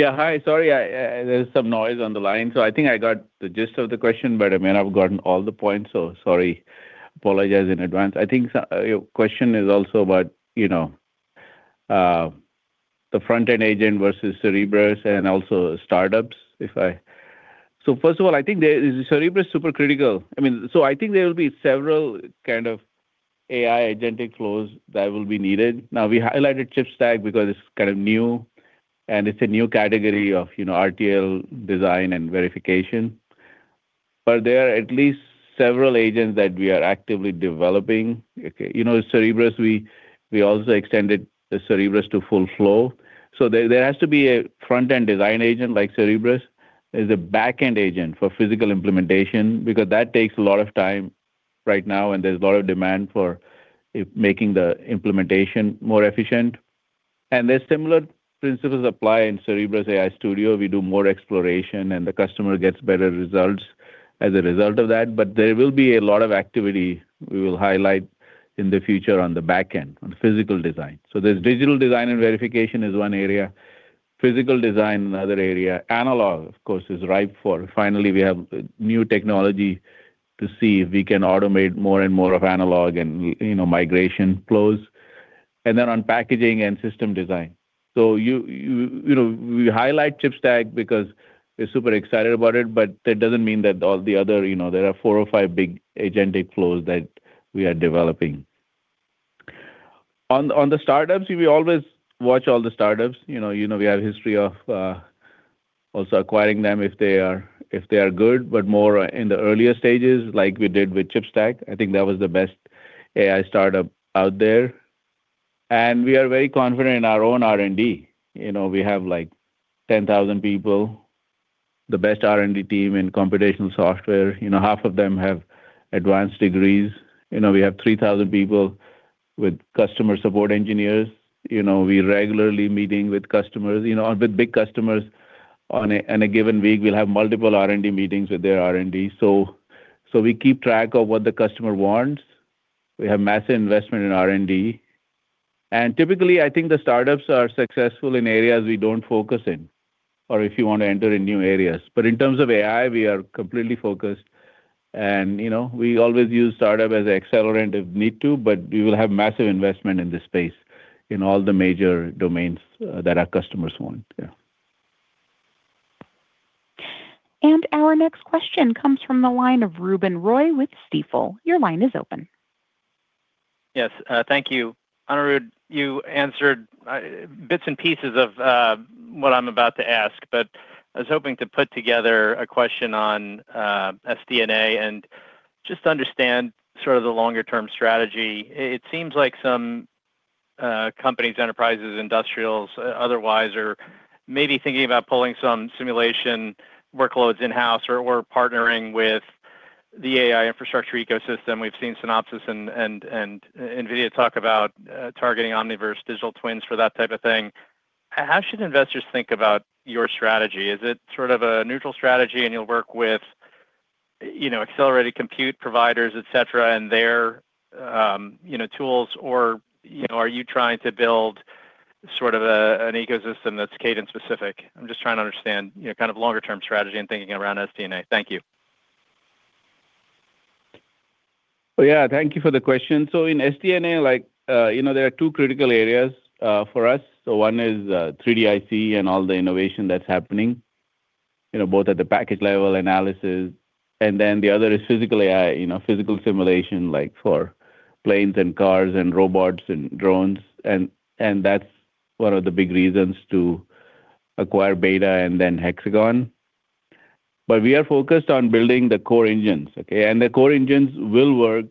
Speaker 3: Yeah, hi. Sorry, there's some noise on the line. So I think I got the gist of the question, but I may not have gotten all the points, so sorry. Apologize in advance. I think your question is also about, you know, the front-end agent versus Cerebrus and also startups. If so first of all, I think the Cerebrus is super critical. I mean, so I think there will be several kind of AI agentic flows that will be needed. Now, we highlighted ChipStack because it's kind of new and it's a new category of, you know, RTL design and verification, but there are at least several agents that we are actively developing. You know, Cerebrus, we also extended the Cerebrus to full flow. So there has to be a front-end design agent like Cerebrus. There's a back-end agent for physical implementation, because that takes a lot of time right now, and there's a lot of demand for it, making the implementation more efficient. The similar principles apply in Cerebrus AI Studio. We do more exploration, and the customer gets better results as a result of that. But there will be a lot of activity we will highlight in the future on the back end, on physical design. So there's digital design and verification is one area, physical design, another area. Analog, of course, is ripe, for finally, we have new technology to see if we can automate more and more of analog and, you know, migration flows. And then on packaging and system design. So you know, we highlight Chipstack because we're super excited about it, but that doesn't mean that all the other, you know, there are four or five big agentic flows that we are developing. On the startups, we always watch all the startups. You know, we have a history of also acquiring them if they are good, but more in the earlier stages, like we did with Chipstack. I think that was the best AI startup out there. And we are very confident in our own R&D. You know, we have like 10,000 people, the best R&D team in computational software. You know, half of them have advanced degrees. You know, we have 3,000 people with customer support engineers. You know, we regularly meeting with customers, you know, with big customers. On a given week, we'll have multiple R&D meetings with their R&D. So we keep track of what the customer wants. We have massive investment in R&D, and typically, I think the startups are successful in areas we don't focus in or if you want to enter in new areas. But in terms of AI, we are completely focused and, you know, we always use startup as an accelerant if need to, but we will have massive investment in this space in all the major domains that our customers want. Yeah.
Speaker 1: Our next question comes from the line of Ruben Roy with Stifel. Your line is open.
Speaker 15: Yes, thank you. Anirudh, you answered bits and pieces of what I'm about to ask, but I was hoping to put together a question on SDA and just understand sort of the longer-term strategy. It seems like some companies, enterprises, industrials, otherwise, are maybe thinking about pulling some simulation workloads in-house or partnering with the AI infrastructure ecosystem. We've seen Synopsys and NVIDIA talk about targeting Omniverse digital twins for that type of thing. How should investors think about your strategy? Is it sort of a neutral strategy, and you'll work with, you know, accelerated compute providers, etc., and their, you know, tools, or, you know, are you trying to build sort of a, an ecosystem that's Cadence specific? I'm just trying to understand, you know, kind of longer-term strategy and thinking around SDA. Thank you.
Speaker 3: Well, yeah, thank you for the question. So in SD&A, like, you know, there are two critical areas, for us. So one is, 3D IC and all the innovation that's happening, you know, both at the package level analysis, and then the other is physical AI, you know, physical simulation, like for planes and cars and robots and drones. And, and that's one of the big reasons to acquire Beta and then Hexagon. But we are focused on building the core engines, okay? And the core engines will work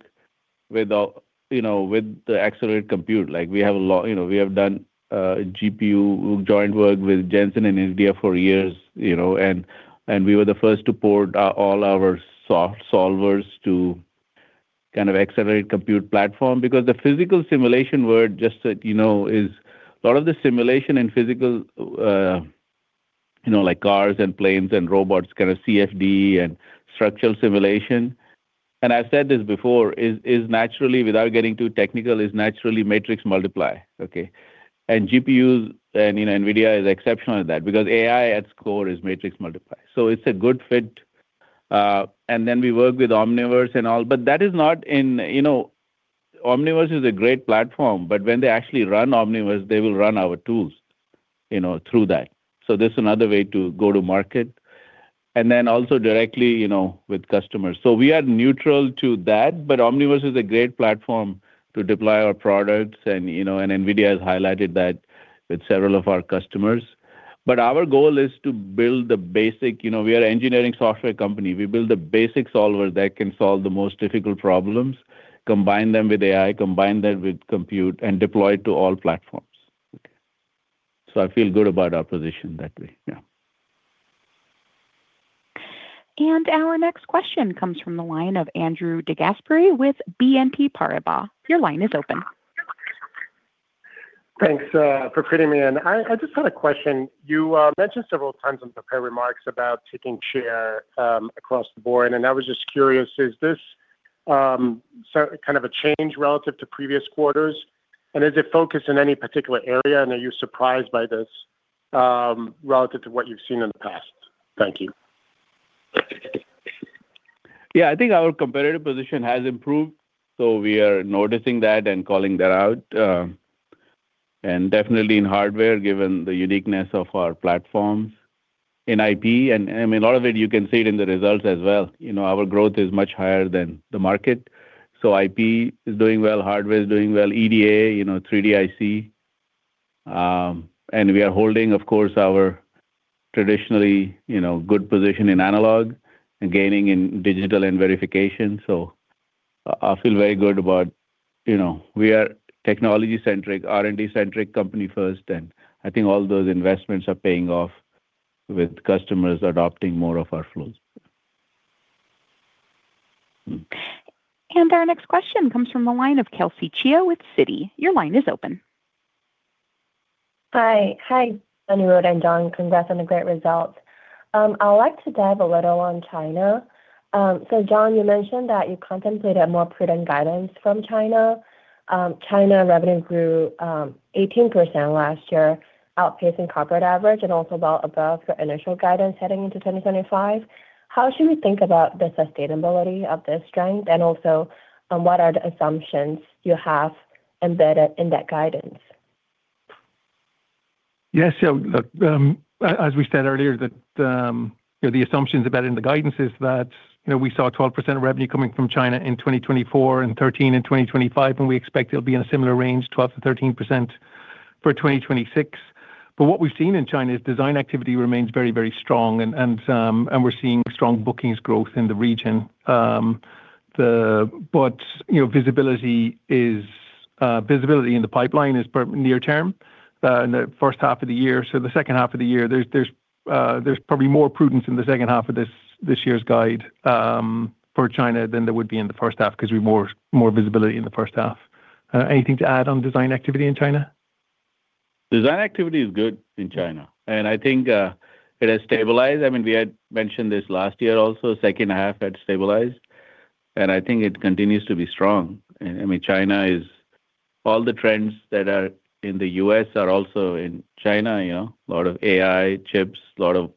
Speaker 3: with the, you know, with the accelerated compute. Like, we have a lot, you know, we have done, GPU joint work with Jensen and NVIDIA for years, you know, and, and we were the first to port, all our soft solvers to kind of accelerate compute platform. Because the physical simulation world, just so you know, is a lot of the simulation and physical, you know, like cars and planes and robots, kind of CFD and structural simulation, and I've said this before, is naturally, without getting too technical, is naturally matrix multiply, okay? And GPUs and, you know, NVIDIA is exceptional at that because AI cores is matrix multiply. So it's a good fit, and then we work with Omniverse and all. But that is not in... You know, Omniverse is a great platform, but when they actually run Omniverse, they will run our tools, you know, through that. So this is another way to go to market, and then also directly, you know, with customers. So we are neutral to that, but Omniverse is a great platform to deploy our products, and, you know, and NVIDIA has highlighted that with several of our customers. But our goal is to build the basic, you know, we are an engineering software company. We build the basic solvers that can solve the most difficult problems, combine them with AI, combine them with compute, and deploy it to all platforms. So I feel good about our position that way. Yeah.
Speaker 1: Our next question comes from the line of Andrew DeGasperi with BNP Paribas. Your line is open.
Speaker 16: Thanks, for putting me in. I just had a question. You mentioned several times in prepared remarks about taking share across the board, and I was just curious, is this so kind of a change relative to previous quarters, and is it focused in any particular area, and are you surprised by this relative to what you've seen in the past? Thank you.
Speaker 3: Yeah, I think our competitive position has improved, so we are noticing that and calling that out, and definitely in hardware, given the uniqueness of our platforms in IP. And, I mean, a lot of it, you can see it in the results as well. You know, our growth is much higher than the market. So IP is doing well, hardware is doing well, EDA, you know, 3D IC, and we are holding, of course, our traditional, you know, good position in analog and gaining in digital and verification. So I, I feel very good about—you know, we are technology-centric, R&D-centric company first, and I think all those investments are paying off with customers adopting more of our flows.
Speaker 1: And our next question comes from the line of Kelsey Chia with Citi. Your line is open.
Speaker 17: Hi. Hi, Anirudh and John. Congrats on the great results. I would like to dive a little on China. So John, you mentioned that you contemplated more prudent guidance from China. China revenue grew 18% last year, outpacing corporate average and also well above your initial guidance heading into 2025. How should we think about the sustainability of this strength, and also, what are the assumptions you have embedded in that guidance?...
Speaker 4: Yes, so look, as we said earlier, that, you know, the assumptions about in the guidance is that, you know, we saw 12% of revenue coming from China in 2024 and 13% in 2025, and we expect it'll be in a similar range, 12%-13% for 2026. But what we've seen in China is design activity remains very, very strong, and we're seeing strong bookings growth in the region. The, but, you know, visibility is, visibility in the pipeline is per near term, in the first half of the year. So the second half of the year, there's probably more prudence in the second half of this year's guide, for China than there would be in the first half, 'cause we have more visibility in the first half. Anything to add on design activity in China?
Speaker 3: Design activity is good in China, and I think it has stabilized. I mean, we had mentioned this last year also, second half had stabilized, and I think it continues to be strong. And I mean, China is all the trends that are in the U.S. are also in China, you know, a lot of AI, chips, a lot of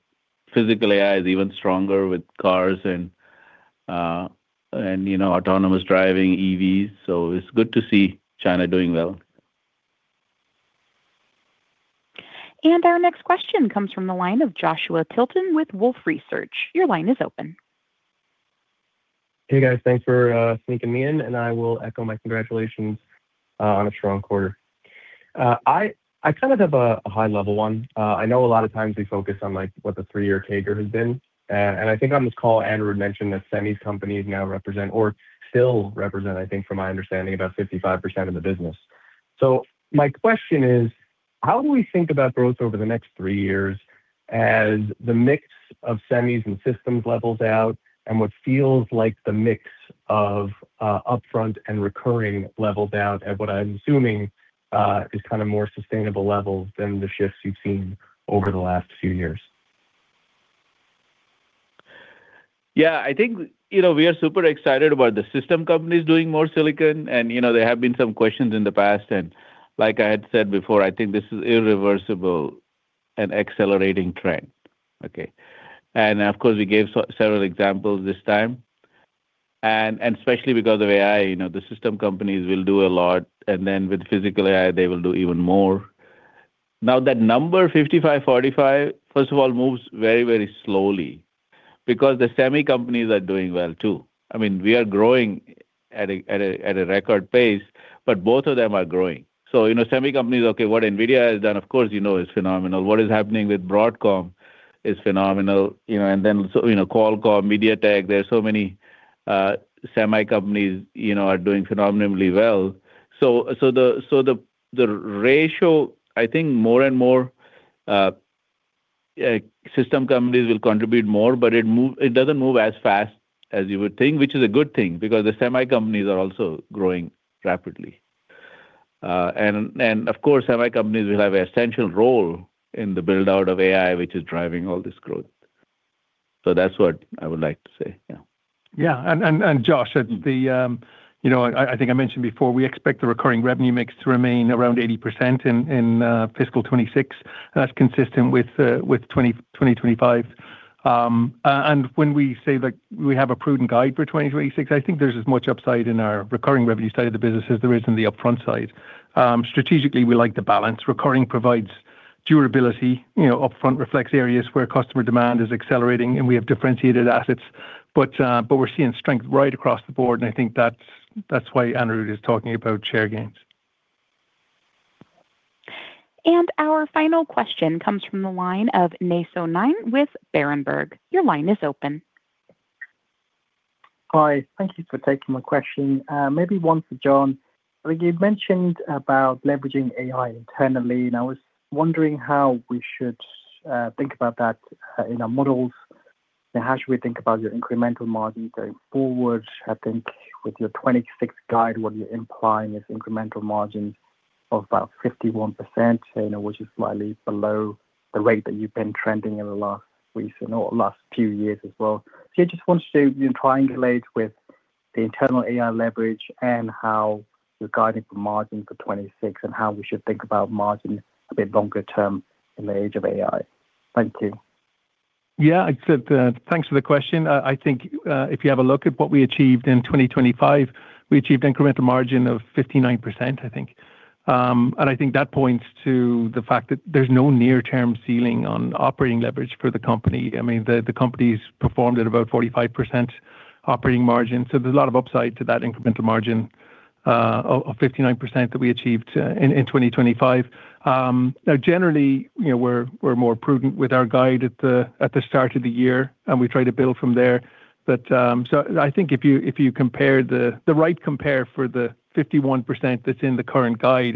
Speaker 3: physical AI is even stronger with cars and, and, you know, autonomous driving, EVs. So it's good to see China doing well.
Speaker 1: Our next question comes from the line of Joshua Tilton with Wolfe Research. Your line is open.
Speaker 18: Hey, guys. Thanks for sneaking me in, and I will echo my congratulations on a strong quarter. I kind of have a high-level one. I know a lot of times we focus on, like, what the three-year CAGR has been. I think on this call, Anirudh had mentioned that semis companies now represent or still represent, I think from my understanding, about 55% of the business. So my question is: how do we think about growth over the next 3 years as the mix of semis and systems levels out, and what feels like the mix of upfront and recurring level down at what I'm assuming is kinda more sustainable levels than the shifts you've seen over the last few years?
Speaker 3: Yeah, I think, you know, we are super excited about the system companies doing more silicon. And, you know, there have been some questions in the past, and like I had said before, I think this is irreversible and accelerating trend. Okay. And of course, we gave several examples this time. And especially because of AI, you know, the system companies will do a lot, and then with physical AI, they will do even more. Now, that number 55-45, first of all, moves very, very slowly because the semi companies are doing well, too. I mean, we are growing at a record pace, but both of them are growing. So, you know, semi companies, okay, what NVIDIA has done, of course, you know, is phenomenal. What is happening with Broadcom is phenomenal, you know, and then so, you know, Qualcomm, MediaTek, there are so many, semi companies, you know, are doing phenomenally well. So the ratio, I think more and more, system companies will contribute more, but it doesn't move as fast as you would think, which is a good thing, because the semi companies are also growing rapidly. And of course, semi companies will have an essential role in the build-out of AI, which is driving all this growth. So that's what I would like to say. Yeah.
Speaker 4: Yeah. Josh, it's the, you know, I think I mentioned before, we expect the recurring revenue mix to remain around 80% in fiscal 2026, and that's consistent with 2025. And when we say that we have a prudent guide for 2026, I think there's as much upside in our recurring revenue side of the business as there is in the upfront side. Strategically, we like the balance. Recurring provides durability, you know, upfront reflects areas where customer demand is accelerating, and we have differentiated assets. But we're seeing strength right across the board, and I think that's why Andrew is talking about share gains.
Speaker 1: Our final question comes from the line of Nay Soe Naing with Berenberg. Your line is open.
Speaker 19: Hi, thank you for taking my question. Maybe one for John. I think you mentioned about leveraging AI internally, and I was wondering how we should think about that in our models, and how should we think about your incremental margin going forward? I think with your 2026 guide, what you're implying is incremental margin of about 51%, you know, which is slightly below the rate that you've been trending in the last recent or last few years as well. So I just wanted to, you know, triangulate with the internal AI leverage and how you're guiding for margin for 2026 and how we should think about margin a bit longer term in the age of AI. Thank you.
Speaker 4: Yeah, except, thanks for the question. I think, if you have a look at what we achieved in 2025, we achieved incremental margin of 59%, I think. And I think that points to the fact that there's no near-term ceiling on operating leverage for the company. I mean, the company's performed at about 45% operating margin, so there's a lot of upside to that incremental margin of 59% that we achieved in 2025. Now, generally, you know, we're more prudent with our guide at the start of the year, and we try to build from there. But, so I think if you, if you compare the... The right compare for the 51% that's in the current guide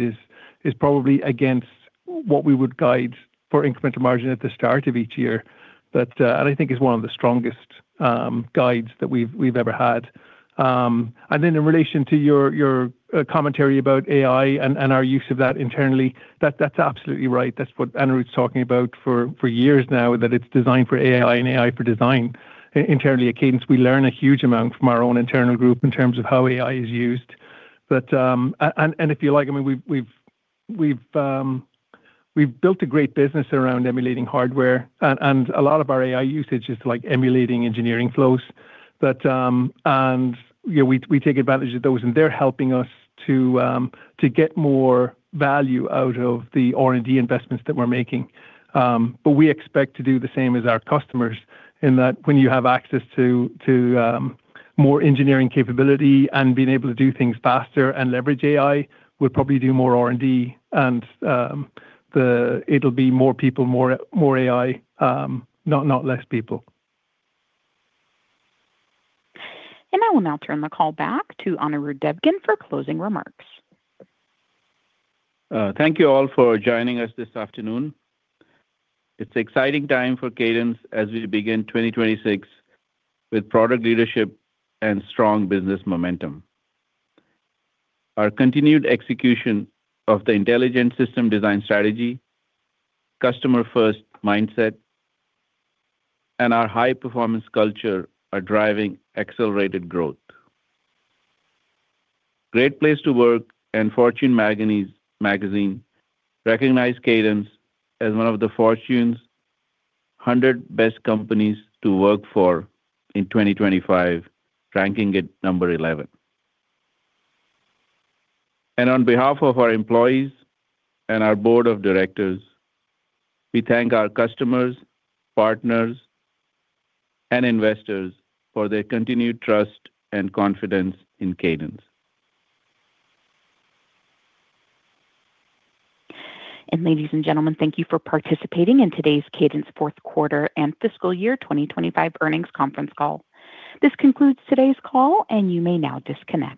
Speaker 4: is probably against what we would guide for incremental margin at the start of each year. But and I think it's one of the strongest guides that we've ever had. And then in relation to your commentary about AI and our use of that internally, that's absolutely right. That's what Andrew's talking about for years now, that it's designed for AI and AI for design. Internally, at Cadence, we learn a huge amount from our own internal group in terms of how AI is used. But and if you like, I mean, we've built a great business around emulating hardware, and a lot of our AI usage is to, like, emulating engineering flows. But you know, we take advantage of those, and they're helping us to get more value out of the R&D investments that we're making. But we expect to do the same as our customers in that when you have access to more engineering capability and being able to do things faster and leverage AI, we'll probably do more R&D, and it'll be more people, more AI, not less people.
Speaker 1: I will now turn the call back to Anirudh Devgan for closing remarks.
Speaker 3: Thank you all for joining us this afternoon. It's an exciting time for Cadence as we begin 2026 with product leadership and strong business momentum. Our continued execution of the intelligent system design strategy, customer-first mindset, and our high-performance culture are driving accelerated growth. Great Place to Work, and Fortune Magazine recognized Cadence as one of the Fortune's 100 Best Companies to work for in 2025, ranking at number 11. On behalf of our employees and our board of directors, we thank our customers, partners, and investors for their continued trust and confidence in Cadence.
Speaker 1: Ladies and gentlemen, thank you for participating in today's Cadence fourth quarter and fiscal year 2025 earnings conference call. This concludes today's call, and you may now disconnect.